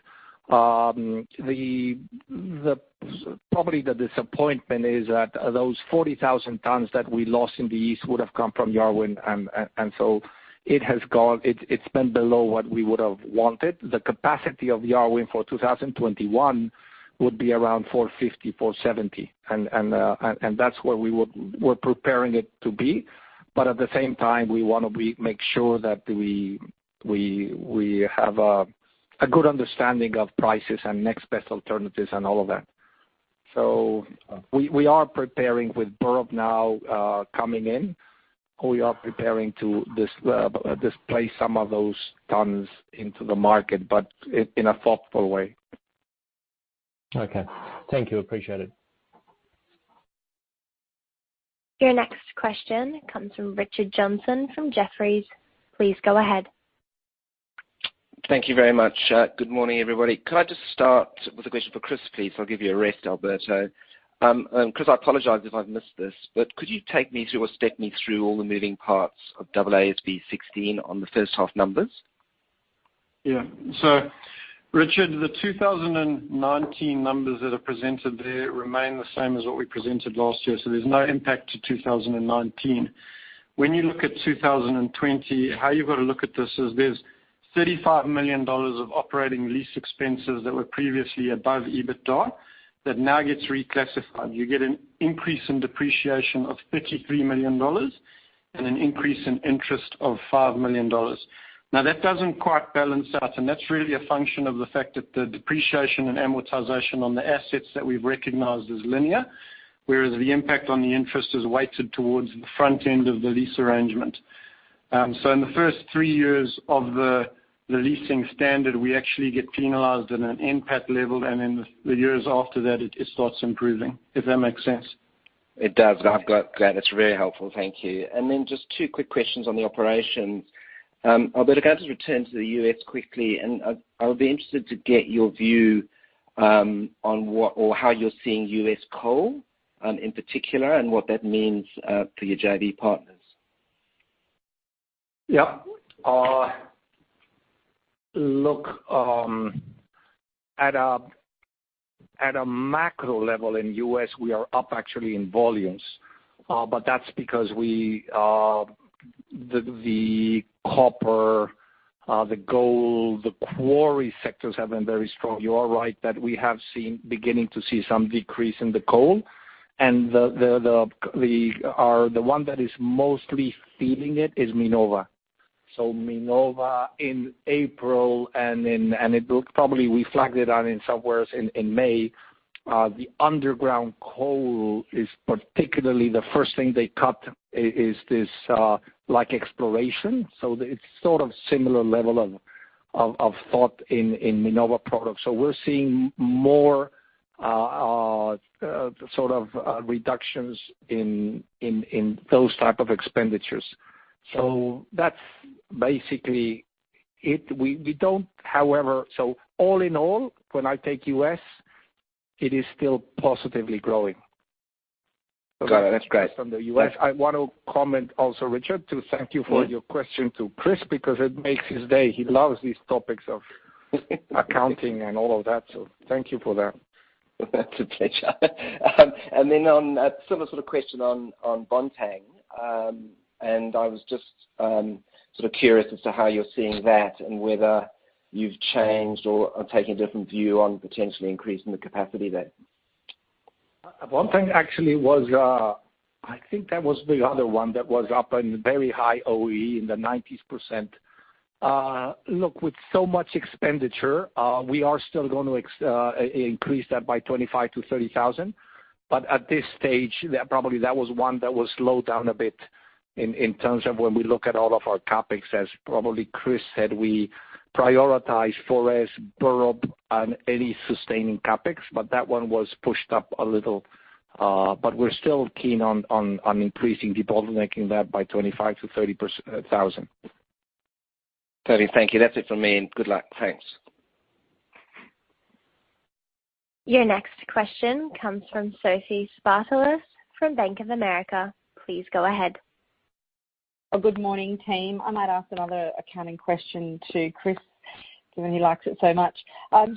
Probably the disappointment is that those 40,000 tons that we lost in the East would have come from Yarwun, it's been below what we would have wanted. The capacity of Yarwun for 2021 would be around 450,000, 470,000. That's where we're preparing it to be. At the same time, we want to make sure that we have a good understanding of prices and next best alternatives and all of that. We are preparing with Burrup now coming in. We are preparing to displace some of those tons into the market, in a thoughtful way. Okay. Thank you. Appreciate it. Your next question comes from Richard Johnson from Jefferies. Please go ahead. Thank you very much. Good morning, everybody. Could I just start with a question for Chris, please? I'll give you a rest, Alberto. Chris, I apologize if I've missed this, but could you take me through or step me through all the moving parts of AASB 16 on the first half numbers? Yeah. Richard, the 2019 numbers that are presented there remain the same as what we presented last year. There's no impact to 2019. When you look at 2020, how you've got to look at this is there's 35 million dollars of operating lease expenses that were previously above EBITDA that now gets reclassified. You get an increase in depreciation of 33 million dollars and an increase in interest of 5 million dollars. That doesn't quite balance out, and that's really a function of the fact that the depreciation and amortization on the assets that we've recognized is linear, whereas the impact on the interest is weighted towards the front end of the lease arrangement. In the first three years of the leasing standard, we actually get penalized at an NPAT level, and then the years after that, it starts improving. If that makes sense. It does. I've got that. It's very helpful. Thank you. Then just two quick questions on the operations. Alberto, can I just return to the U.S. quickly, and I would be interested to get your view on how you're seeing U.S. coal in particular, and what that means for your JV partners. Yep. Look, at a macro level in U.S., we are up actually in volumes. That's because the copper, the gold, the quarry sectors have been very strong. You are right that we have beginning to see some decrease in the coal. The one that is mostly feeling it is Minova. Minova in April, and probably we flagged it out in somewhere in May, the underground coal is particularly the first thing they cut is this exploration. It's sort of similar level of thought in Minova products. We're seeing more reductions in those type of expenditures. That's basically it. All in all, when I take U.S., it is still positively growing. Got it. That's great. From the U.S. I want to comment also, Richard, to thank you for your question to Chris, because it makes his day. He loves these topics of accounting and all of that, thank you for that. It's a pleasure. Then a similar sort of question on Bontang. I was just curious as to how you're seeing that, and whether you've changed or taken a different view on potentially increasing the capacity there. Bontang actually was I think that was the other one that was up in very high OEE, in the 90%. Look, with so much expenditure, we are still going to increase that by 25,000 to 30,000. At this stage, probably that was one that will slow down a bit in terms of when we look at all of our CapEx, as probably Chris said, we prioritize 4S, Burrup, and any sustaining CapEx. That one was pushed up a little. We're still keen on increasing debottlenecking that by 25,000 to 30,000. Truly, thank you. That's it for me, and good luck. Thanks. Your next question comes from Sophie Spartalis from Bank of America. Please go ahead. Good morning, team. I might ask another accounting question to Chris, given he likes it so much.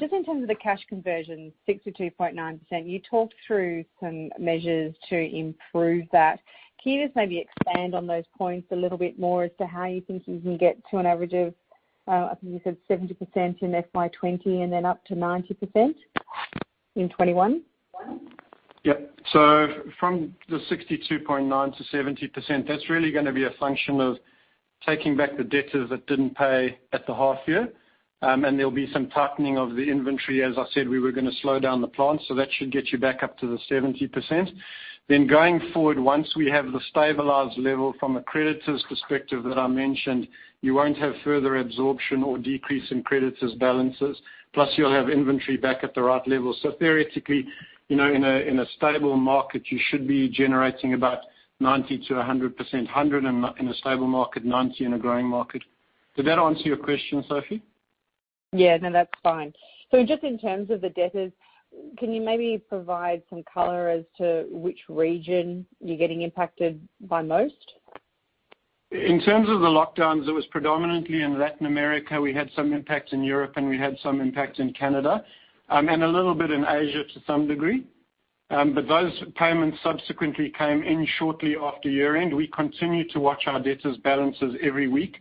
Just in terms of the cash conversion, 62.9%. You talked through some measures to improve that. Can you just maybe expand on those points a little bit more as to how you think you can get to an average of, I think you said 70% in FY 2020, and then up to 90% in 2021? Yep. From the 62.9% to 70%, that's really going to be a function of taking back the debtors that didn't pay at the half year. There'll be some tightening of the inventory. As I said, we were going to slow down the plant, that should get you back up to the 70%. Going forward, once we have the stabilized level from a creditors perspective that I mentioned, you won't have further absorption or decrease in creditors balances. Plus you'll have inventory back at the right level. Theoretically, in a stable market, you should be generating about 90%-100%. 100% in a stable market, 90% in a growing market. Did that answer your question, Sophie? Yeah. No, that's fine. Just in terms of the debtors, can you maybe provide some color as to which region you're getting impacted by most? In terms of the lockdowns, it was predominantly in Latin America. We had some impact in Europe, and we had some impact in Canada. A little bit in Asia to some degree. Those payments subsequently came in shortly after year-end. We continue to watch our debtors balances every week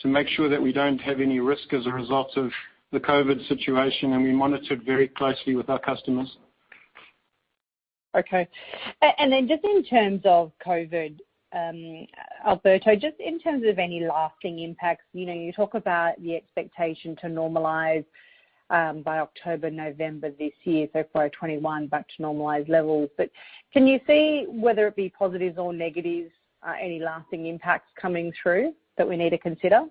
to make sure that we don't have any risk as a result of the COVID-19 situation, and we monitor it very closely with our customers. Okay. Just in terms of COVID, Alberto, just in terms of any lasting impacts. You talk about the expectation to normalize by October, November this year, so FY 2021, back to normalized levels. Can you see, whether it be positives or negatives, any lasting impacts coming through that we need to consider?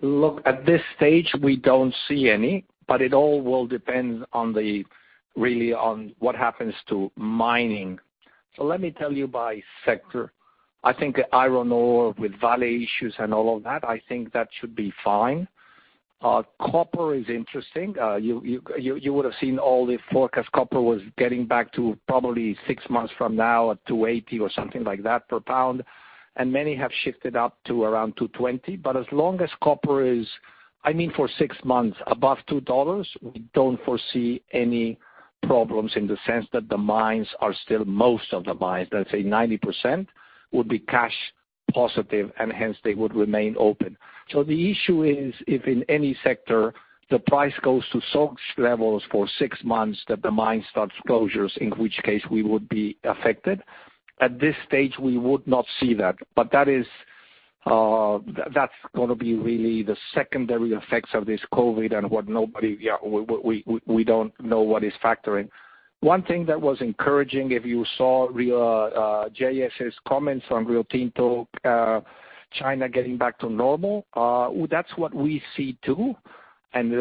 Look, at this stage, we don't see any, but it all will depend really on what happens to mining. Let me tell you by sector. I think iron ore with Vale issues and all of that, I think that should be fine. Copper is interesting. You would've seen all the forecast copper was getting back to probably six months from now at 280 or something like that per pound, and many have shifted up to around 220. But as long as copper is, for six months, above $2, we don't foresee any problems in the sense that the mines are still, most of the mines, let's say 90%, would be cash positive, and hence they would remain open. The issue is, if in any sector the price goes to such levels for six months that the mine starts closures, in which case we would be affected. At this stage, we would not see that, but that's going to be really the secondary effects of this COVID and what we don't know what is factoring. One thing that was encouraging, if you saw Jean-Sébastien Jacques's comments on Rio Tinto, China getting back to normal. That's what we see too, and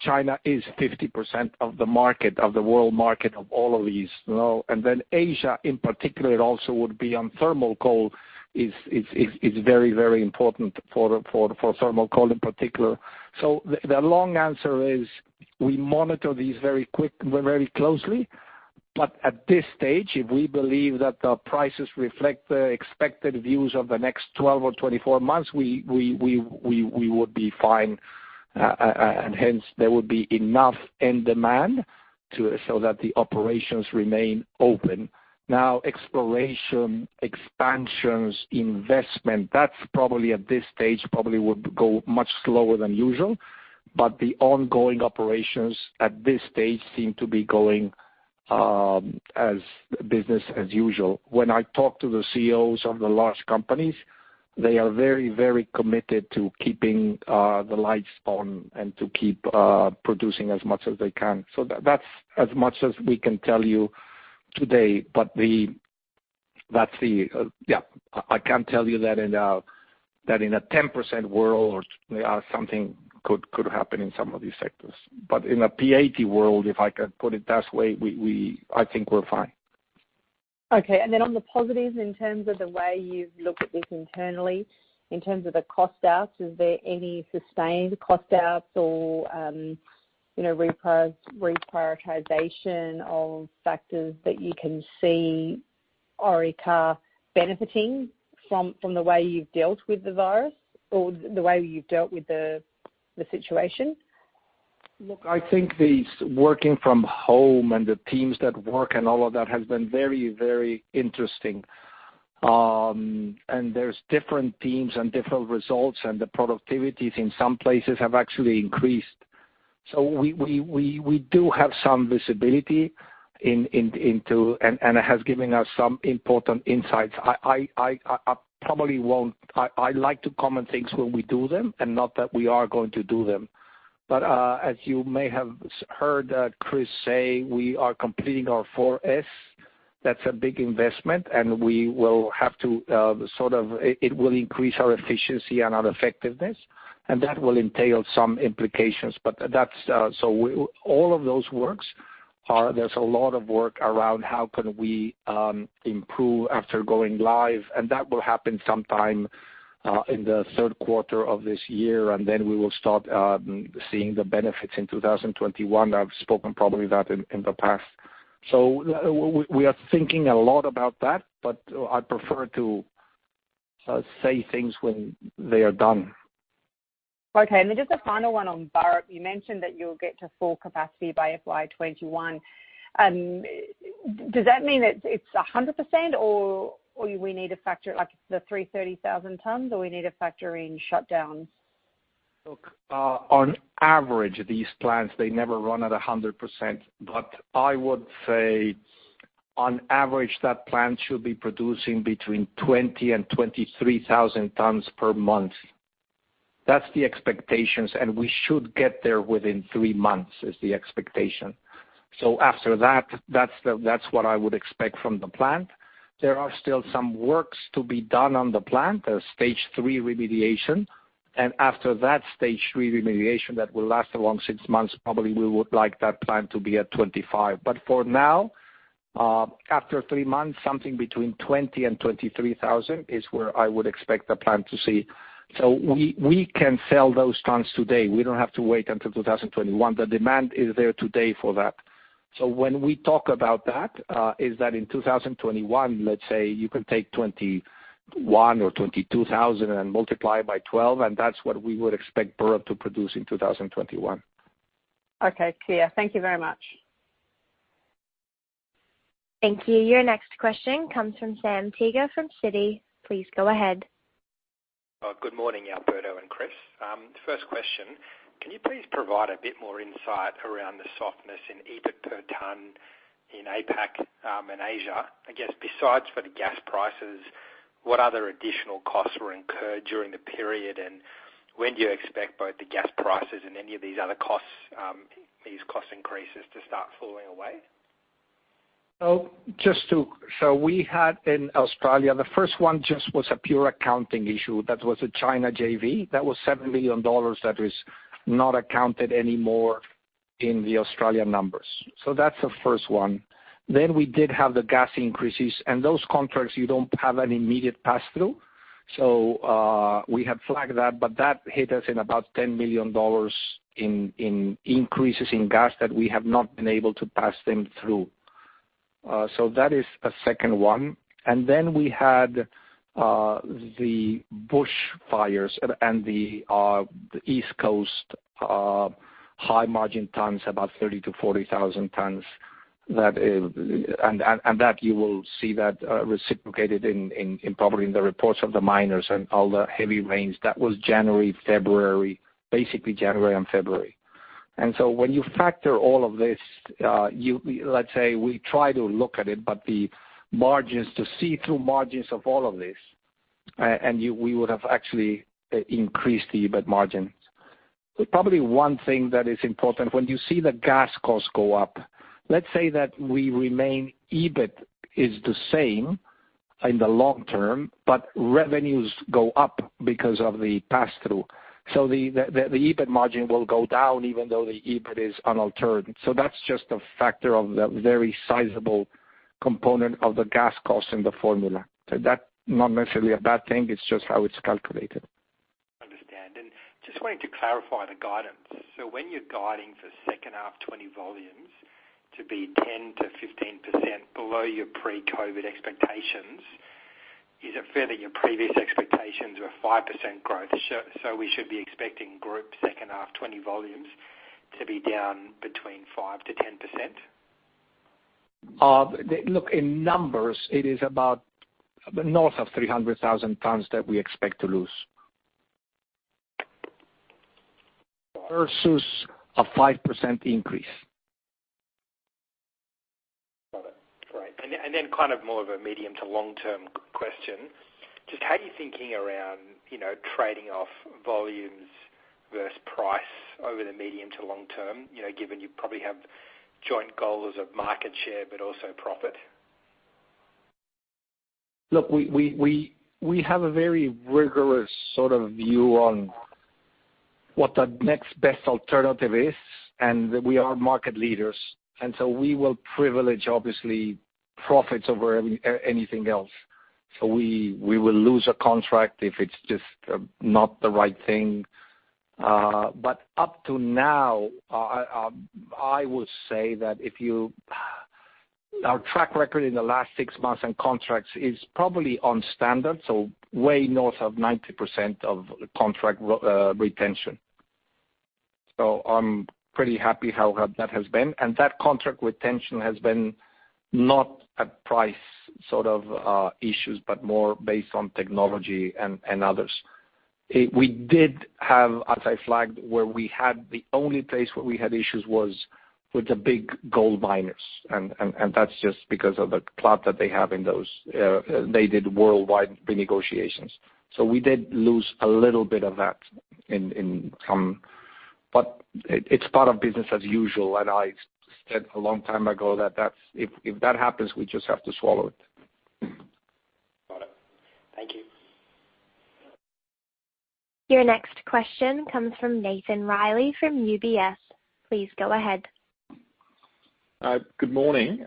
China is 50% of the world market of all of these. Asia in particular, it also would be on thermal coal, is very, very important for thermal coal in particular. The long answer is we monitor these very closely. At this stage, if we believe that the prices reflect the expected views of the next 12 or 24 months, we would be fine, and hence there would be enough in demand so that the operations remain open. Now, exploration, expansions, investment, that probably at this stage probably would go much slower than usual. The ongoing operations at this stage seem to be going as business as usual. When I talk to the CEOs of the large companies, they are very, very committed to keeping the lights on and to keep producing as much as they can. That's as much as we can tell you today. I can tell you that in a 10% world, something could happen in some of these sectors. In a P80 world, if I can put it that way, I think we're fine. Okay. Then on the positives, in terms of the way you've looked at this internally, in terms of the cost outs, is there any sustained cost outs or reprioritization of factors that you can see Orica benefiting from the way you've dealt with the virus or the way you've dealt with the situation? Look, I think the working from home and the teams that work and all of that has been very, very interesting. There's different teams and different results, and the productivities in some places have actually increased. We do have some visibility. It has given us some important insights. I like to comment things when we do them and not that we are going to do them. As you may have heard Chris say, we are completing our 4S. That's a big investment, and it will increase our efficiency and our effectiveness, and that will entail some implications. There's a lot of work around how can we improve after going live, and that will happen sometime in the third quarter of this year, then we will start seeing the benefits in 2021. I've spoken probably that in the past. We are thinking a lot about that, but I prefer to say things when they are done. Okay. Then just a final one on Burrup. You mentioned that you'll get to full capacity by FY 2021. Does that mean it's 100%, like the 330,000 tons, or we need to factor in shutdowns? On average, these plants, they never run at 100%, but I would say on average, that plant should be producing between 20,000 and 23,000 tons per month. That's the expectations, and we should get there within three months, is the expectation. After that's what I would expect from the plant. There are still some works to be done on the plant, a stage 3 remediation. After that stage 3 remediation, that will last around six months probably, we would like that plant to be at 25. For now, after three months, something between 20,000 and 23,000 is where I would expect the plant to see. We can sell those tons today. We don't have to wait until 2021. The demand is there today for that. When we talk about that, is that in 2021, let's say you can take 21,000 or 22,000 and multiply by 12, that's what we would expect Burrup to produce in 2021. Okay, clear. Thank you very much. Thank you. Your next question comes from Sam Teeger from Citi. Please go ahead. Good morning, Alberto and Chris. First question, can you please provide a bit more insight around the softness in EBIT per ton in APAC and Asia? I guess besides for the gas prices, what other additional costs were incurred during the period, and when do you expect both the gas prices and any of these other costs increases to start falling away? We had in Australia, the first one just was a pure accounting issue. That was a China JV. That was 7 million dollars that is not accounted anymore in the Australian numbers. That's the first one. We did have the gas increases, and those contracts, you don't have an immediate passthrough. We have flagged that, but that hit us in about 10 million dollars in increases in gas that we have not been able to pass them through. That is a second one. We had the bushfires and the East Coast high-margin tons, about 30,000-40,000 tons. That you will see that reciprocated probably in the reports of the miners and all the heavy rains. That was January, February, basically January and February. When you factor all of this, let's say we try to look at it, but to see through margins of all of this, and we would have actually increased the EBIT margin. Probably one thing that is important, when you see the gas costs go up, let's say that we remain EBIT is the same in the long term, but revenues go up because of the pass-through. The EBIT margin will go down even though the EBIT is unaltered. That's just a factor of the very sizable component of the gas cost in the formula. That's not necessarily a bad thing, it's just how it's calculated. Understand. Just wanting to clarify the guidance. When you're guiding for second half 2020 volumes to be 10%-15% below your pre-COVID expectations, is it fair that your previous expectations were 5% growth? We should be expecting group second half 2020 volumes to be down between 5%-10%? Look, in numbers, it is about north of 300,000 tons that we expect to lose versus a 5% increase. Got it. Great. Kind of more of a medium to long-term question. Just how are you thinking around trading off volumes versus price over the medium to long term, given you probably have joint goals of market share but also profit? Look, we have a very rigorous sort of view on what the next best alternative is, and we are market leaders. We will privilege, obviously, profits over anything else. We will lose a contract if it's just not the right thing. Up to now, I would say that our track record in the last six months and contracts is probably on standard, way north of 90% of contract retention. I'm pretty happy how that has been. That contract retention has been not a price sort of issues, but more based on technology and others. We did have, as I flagged, the only place where we had issues was with the big gold miners, and that's just because of the clout that they have in those. They did worldwide renegotiations. We did lose a little bit of that in come, but it's part of business as usual. I said a long time ago that if that happens, we just have to swallow it. Got it. Thank you. Your next question comes from Nathan Reilly from UBS. Please go ahead. Good morning.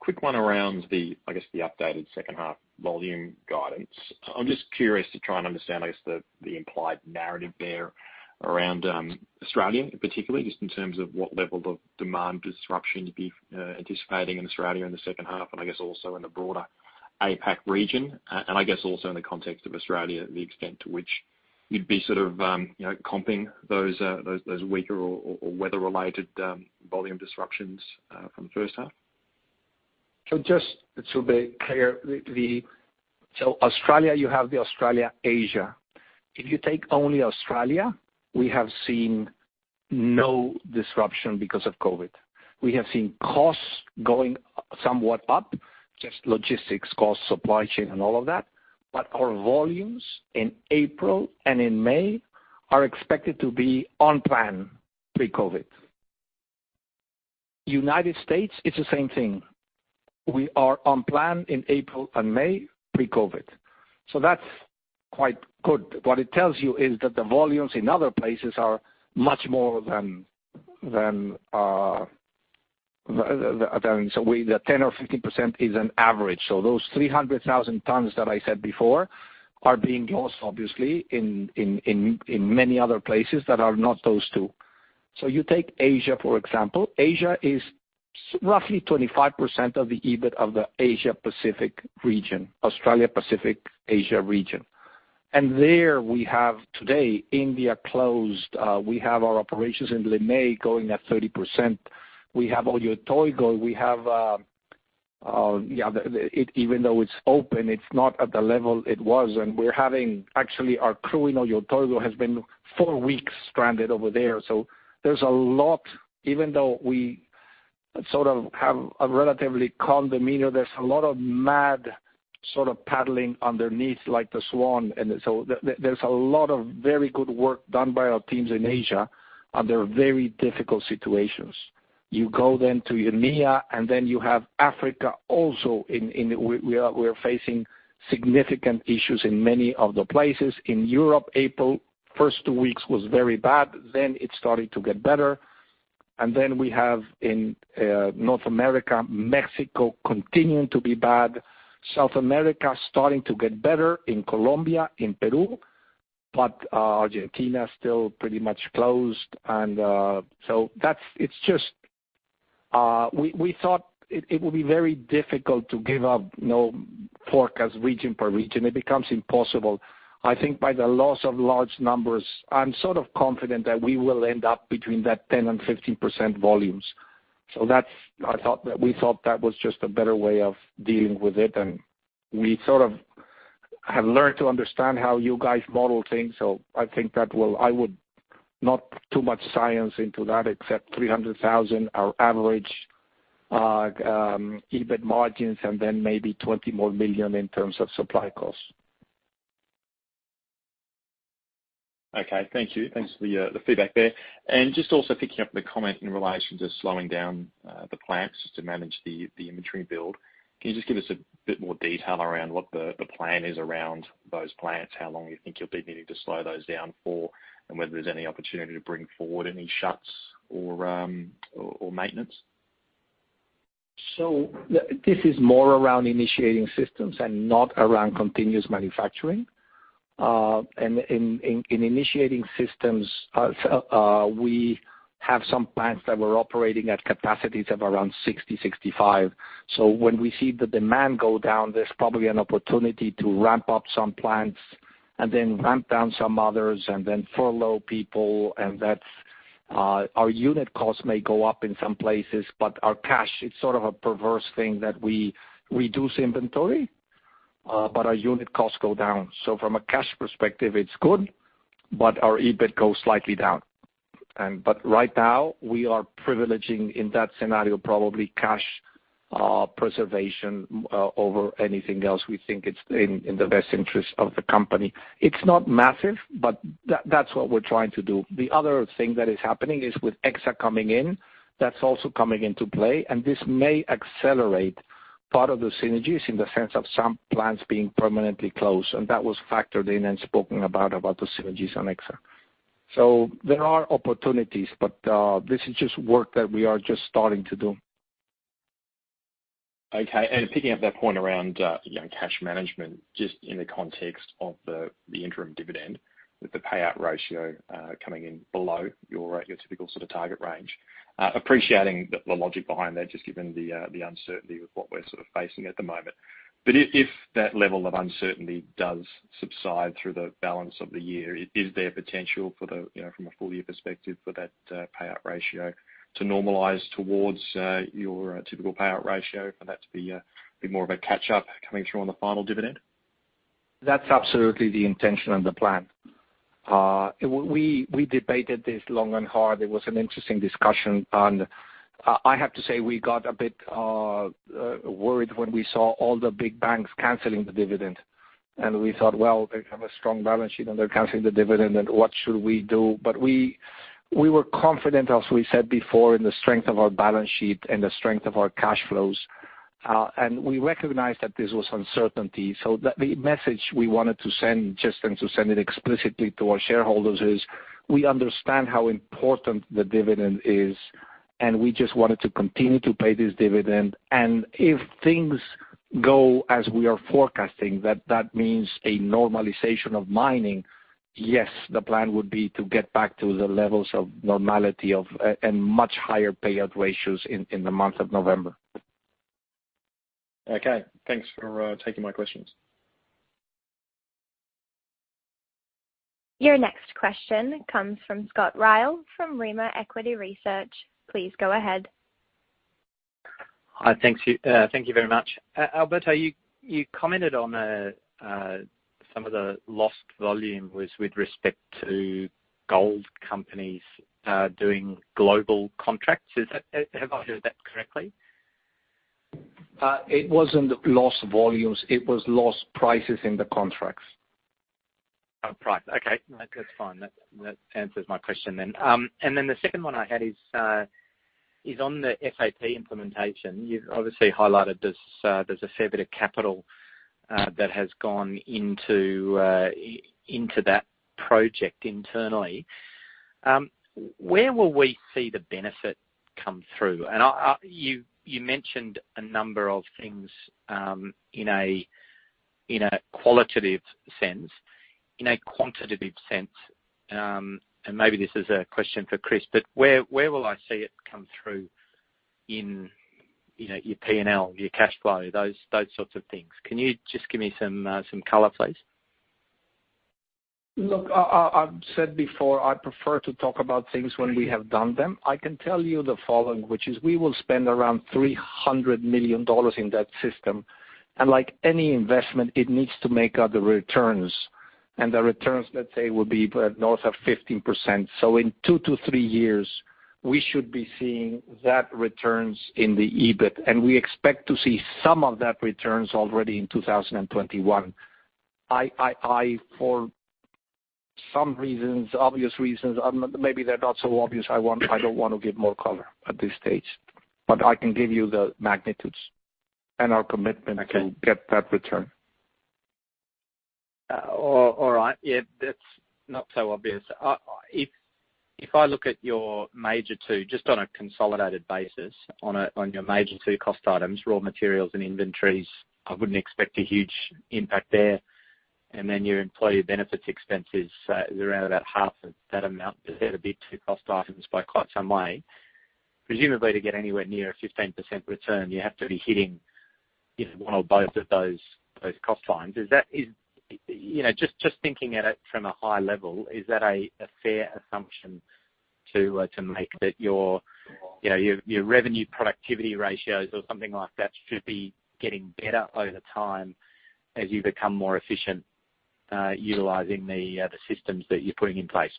Quick one around the, I guess, the updated second half volume guidance. I am curious to try and understand, I guess, the implied narrative there around Australia, particularly just in terms of what level of demand disruption you would be anticipating in Australia in the second half, and I guess also in the broader APAC region. Also in the context of Australia, the extent to which you would be sort of comping those weaker or weather-related volume disruptions from the first half. Just to be clear, Australia, you have the Australia, Asia. If you take only Australia, we have seen no disruption because of COVID. We have seen costs going somewhat up, just logistics costs, supply chain, and all of that. Our volumes in April and in May are expected to be on plan pre-COVID. United States, it is the same thing. We are on plan in April and May pre-COVID. That is quite good. What it tells you is that the volumes in other places are much more than our. The 10% or 15% is an average. Those 300,000 tons that I said before are being lost, obviously, in many other places that are not those two. You take Asia, for example. Asia is roughly 25% of the EBIT of the Australia Pacific, Asia region. There we have today India closed. We have our operations in Limay going at 30%. We have Oyu Tolgoi. Even though it's open, it's not at the level it was. Actually, our crew in Oyu Tolgoi has been four weeks stranded over there. There's a lot, even though we sort of have a relatively calm demeanor, there's a lot of mad sort of paddling underneath like the swan. There's a lot of very good work done by our teams in Asia under very difficult situations. You go then to EMEA, and then you have Africa also we're facing significant issues in many of the places. In Europe, April first two weeks was very bad, then it started to get better. We have in North America, Mexico continuing to be bad. South America starting to get better in Colombia, in Peru. Argentina still pretty much closed. We thought it would be very difficult to give a forecast region per region. It becomes impossible. I think by the loss of large numbers, I'm sort of confident that we will end up between that 10% and 15% volumes. We thought that was just a better way of dealing with it, and we sort of have learned to understand how you guys model things. I think that I would put not too much science into that, except 300,000 tons, our average EBIT margins, and then maybe 20 million in terms of supply costs. Okay. Thank you. Thanks for the feedback there. Just also picking up the comment in relation to slowing down the plants just to manage the inventory build. Can you just give us a bit more detail around what the plan is around those plants, how long you think you'll be needing to slow those down for, and whether there's any opportunity to bring forward any shuts or maintenance? This is more around initiating systems and not around continuous manufacturing. In initiating systems, we have some plants that were operating at capacities of around 60%, 65%. When we see the demand go down, there's probably an opportunity to ramp up some plants and then ramp down some others and then furlough people. That our unit costs may go up in some places, but our cash, it's sort of a perverse thing that we reduce inventory, but our unit costs go down. From a cash perspective, it's good, but our EBIT goes slightly down. Right now, we are privileging, in that scenario, probably cash preservation over anything else. We think it's in the best interest of the company. It's not massive, but that's what we're trying to do. The other thing that is happening is with Exsa coming in. That is also coming into play. This may accelerate part of the synergies in the sense of some plants being permanently closed. That was factored in and spoken about the synergies on Exsa. There are opportunities, but this is just work that we are just starting to do. Okay. Picking up that point around cash management, just in the context of the interim dividend, with the payout ratio coming in below your typical sort of target range. Appreciating the logic behind that, just given the uncertainty with what we are sort of facing at the moment. If that level of uncertainty does subside through the balance of the year, is there potential from a full-year perspective for that payout ratio to normalize towards your typical payout ratio for that to be a bit more of a catch-up coming through on the final dividend? That is absolutely the intention and the plan. We debated this long and hard. It was an interesting discussion. I have to say, we got a bit worried when we saw all the big banks canceling the dividend. We thought, well, they have a strong balance sheet, and they are canceling the dividend, and what should we do? We were confident, as we said before, in the strength of our balance sheet and the strength of our cash flows. We recognized that this was uncertainty, the message we wanted to send, just and to send it explicitly to our shareholders, is we understand how important the dividend is. We just wanted to continue to pay this dividend. If things go as we are forecasting, that means a normalization of mining, yes, the plan would be to get back to the levels of normality and much higher payout ratios in the month of November. Okay. Thanks for taking my questions. Your next question comes from Scott Ryle from Rimor Equity Research. Please go ahead. Hi. Thank you very much. Alberto, you commented on some of the lost volume was with respect to gold companies doing global contracts. Have I heard that correctly? It wasn't lost volumes. It was lost prices in the contracts. Price. Okay. No, that's fine. That answers my question then. The second one I had is on the SAP implementation. You've obviously highlighted there's a fair bit of capital that has gone into that project internally. Where will we see the benefit come through? You mentioned a number of things in a qualitative sense. In a quantitative sense, and maybe this is a question for Chris, but where will I see it come through in your P&L, your cash flow, those sorts of things? Can you just give me some color, please? Look, I've said before, I prefer to talk about things when we have done them. I can tell you the following, which is we will spend around 300 million dollars in that system. Like any investment, it needs to make other returns. The returns, let's say, will be north of 15%. In 2 to 3 years, we should be seeing that returns in the EBIT. We expect to see some of that returns already in 2021. For some reasons, obvious reasons, maybe they're not so obvious, I don't want to give more color at this stage. I can give you the magnitudes and our commitment Okay to get that return. All right. Yeah. That's not so obvious. If I look at your major two, just on a consolidated basis, on your major two cost items, raw materials and inventories, I wouldn't expect a huge impact there. Your employee benefits expenses is around about half of that amount. They're the big two cost items by quite some way. Presumably, to get anywhere near a 15% return, you have to be hitting one or both of those cost lines. Just thinking at it from a high level, is that a fair assumption to make that your revenue productivity ratios or something like that should be getting better over time as you become more efficient utilizing the systems that you're putting in place?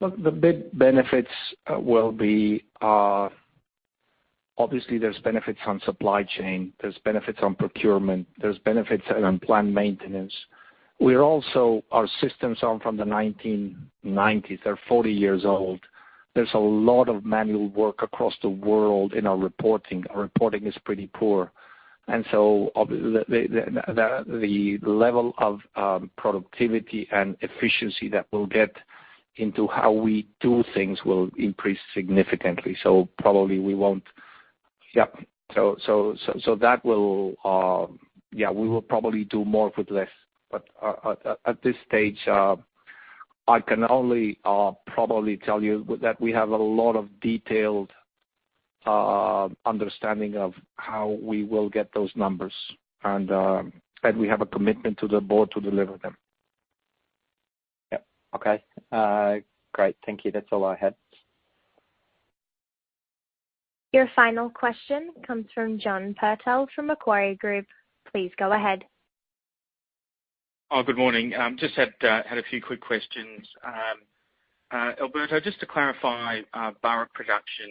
The big benefits will be, obviously, there are benefits on supply chain, there are benefits on procurement, there are benefits on plant maintenance. Our systems are from the 1990s. They are 40 years old. There is a lot of manual work across the world in our reporting. Our reporting is pretty poor. The level of productivity and efficiency that we will get into how we do things will increase significantly. We will probably do more with less. At this stage, I can only probably tell you that we have a lot of detailed understanding of how we will get those numbers, and we have a commitment to the board to deliver them. Okay. Great. Thank you. That is all I had. Your final question comes from John Purtell from Macquarie Group. Please go ahead. Good morning. Just had a few quick questions. Alberto, just to clarify Barrick production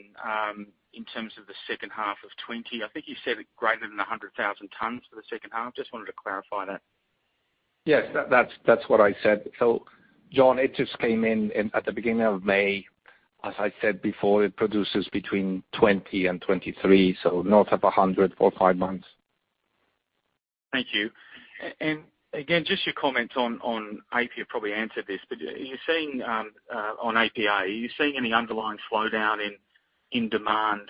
in terms of the second half of 2020. I think you said greater than 100,000 tons for the second half. Just wanted to clarify that. Yes. That's what I said. John, it just came in at the beginning of May. As I said before, it produces between 20 and 23, north of 100 for five months. Thank you. Again, just your comment on, you probably answered this, on APA, are you seeing any underlying slowdown in demand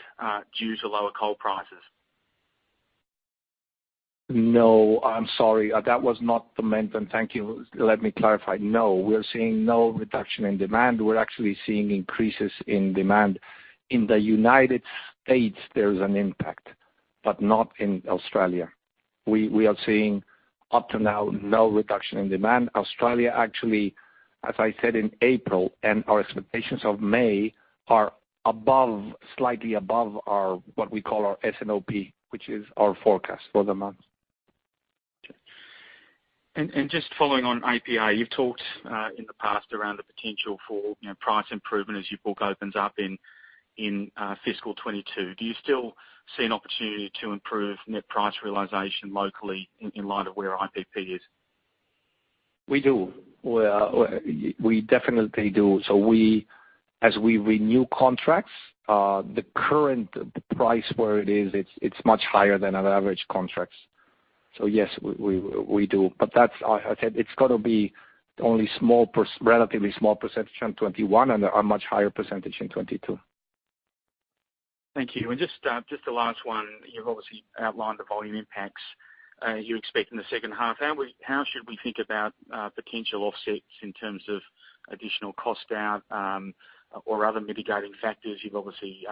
due to lower coal prices? No, I'm sorry. That was not the meant. Thank you. Let me clarify. No. We are seeing no reduction in demand. We're actually seeing increases in demand. In the U.S., there's an impact. Not in Australia. We are seeing up to now, no reduction in demand. Australia, actually, as I said, in April, our expectations of May are slightly above what we call our S&OP, which is our forecast for the month. Okay. Just following on APA, you've talked in the past around the potential for price improvement as your book opens up in fiscal 2022. Do you still see an opportunity to improve net price realization locally in light of where IPP is? We do. We definitely do. As we renew contracts, the current price where it is, it's much higher than our average contracts. Yes, we do. As I said, it's got to be only relatively small % in 2021 and a much higher % in 2022. Thank you. Just the last one. You've obviously outlined the volume impacts you expect in the second half. How should we think about potential offsets in terms of additional cost down or other mitigating factors? You've obviously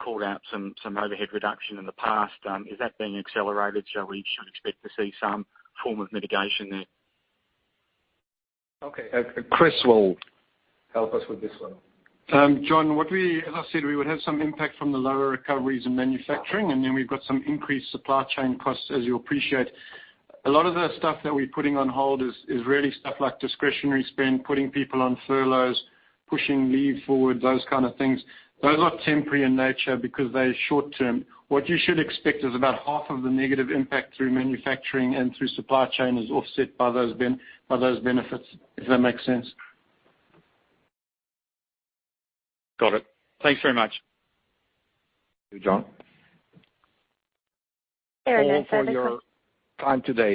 called out some overhead reduction in the past. Is that being accelerated? Shall we expect to see some form of mitigation there? Chris will help us with this one. John, as I said, we would have some impact from the lower recoveries in manufacturing. Then we've got some increased supply chain costs, as you'll appreciate. A lot of the stuff that we're putting on hold is really stuff like discretionary spend, putting people on furloughs, pushing leave forward, those kind of things. Those are temporary in nature because they're short-term. What you should expect is about half of the negative impact through manufacturing and through supply chain is offset by those benefits, if that makes sense. Got it. Thanks very much. Thank you, John. Erin, is there All, for your time today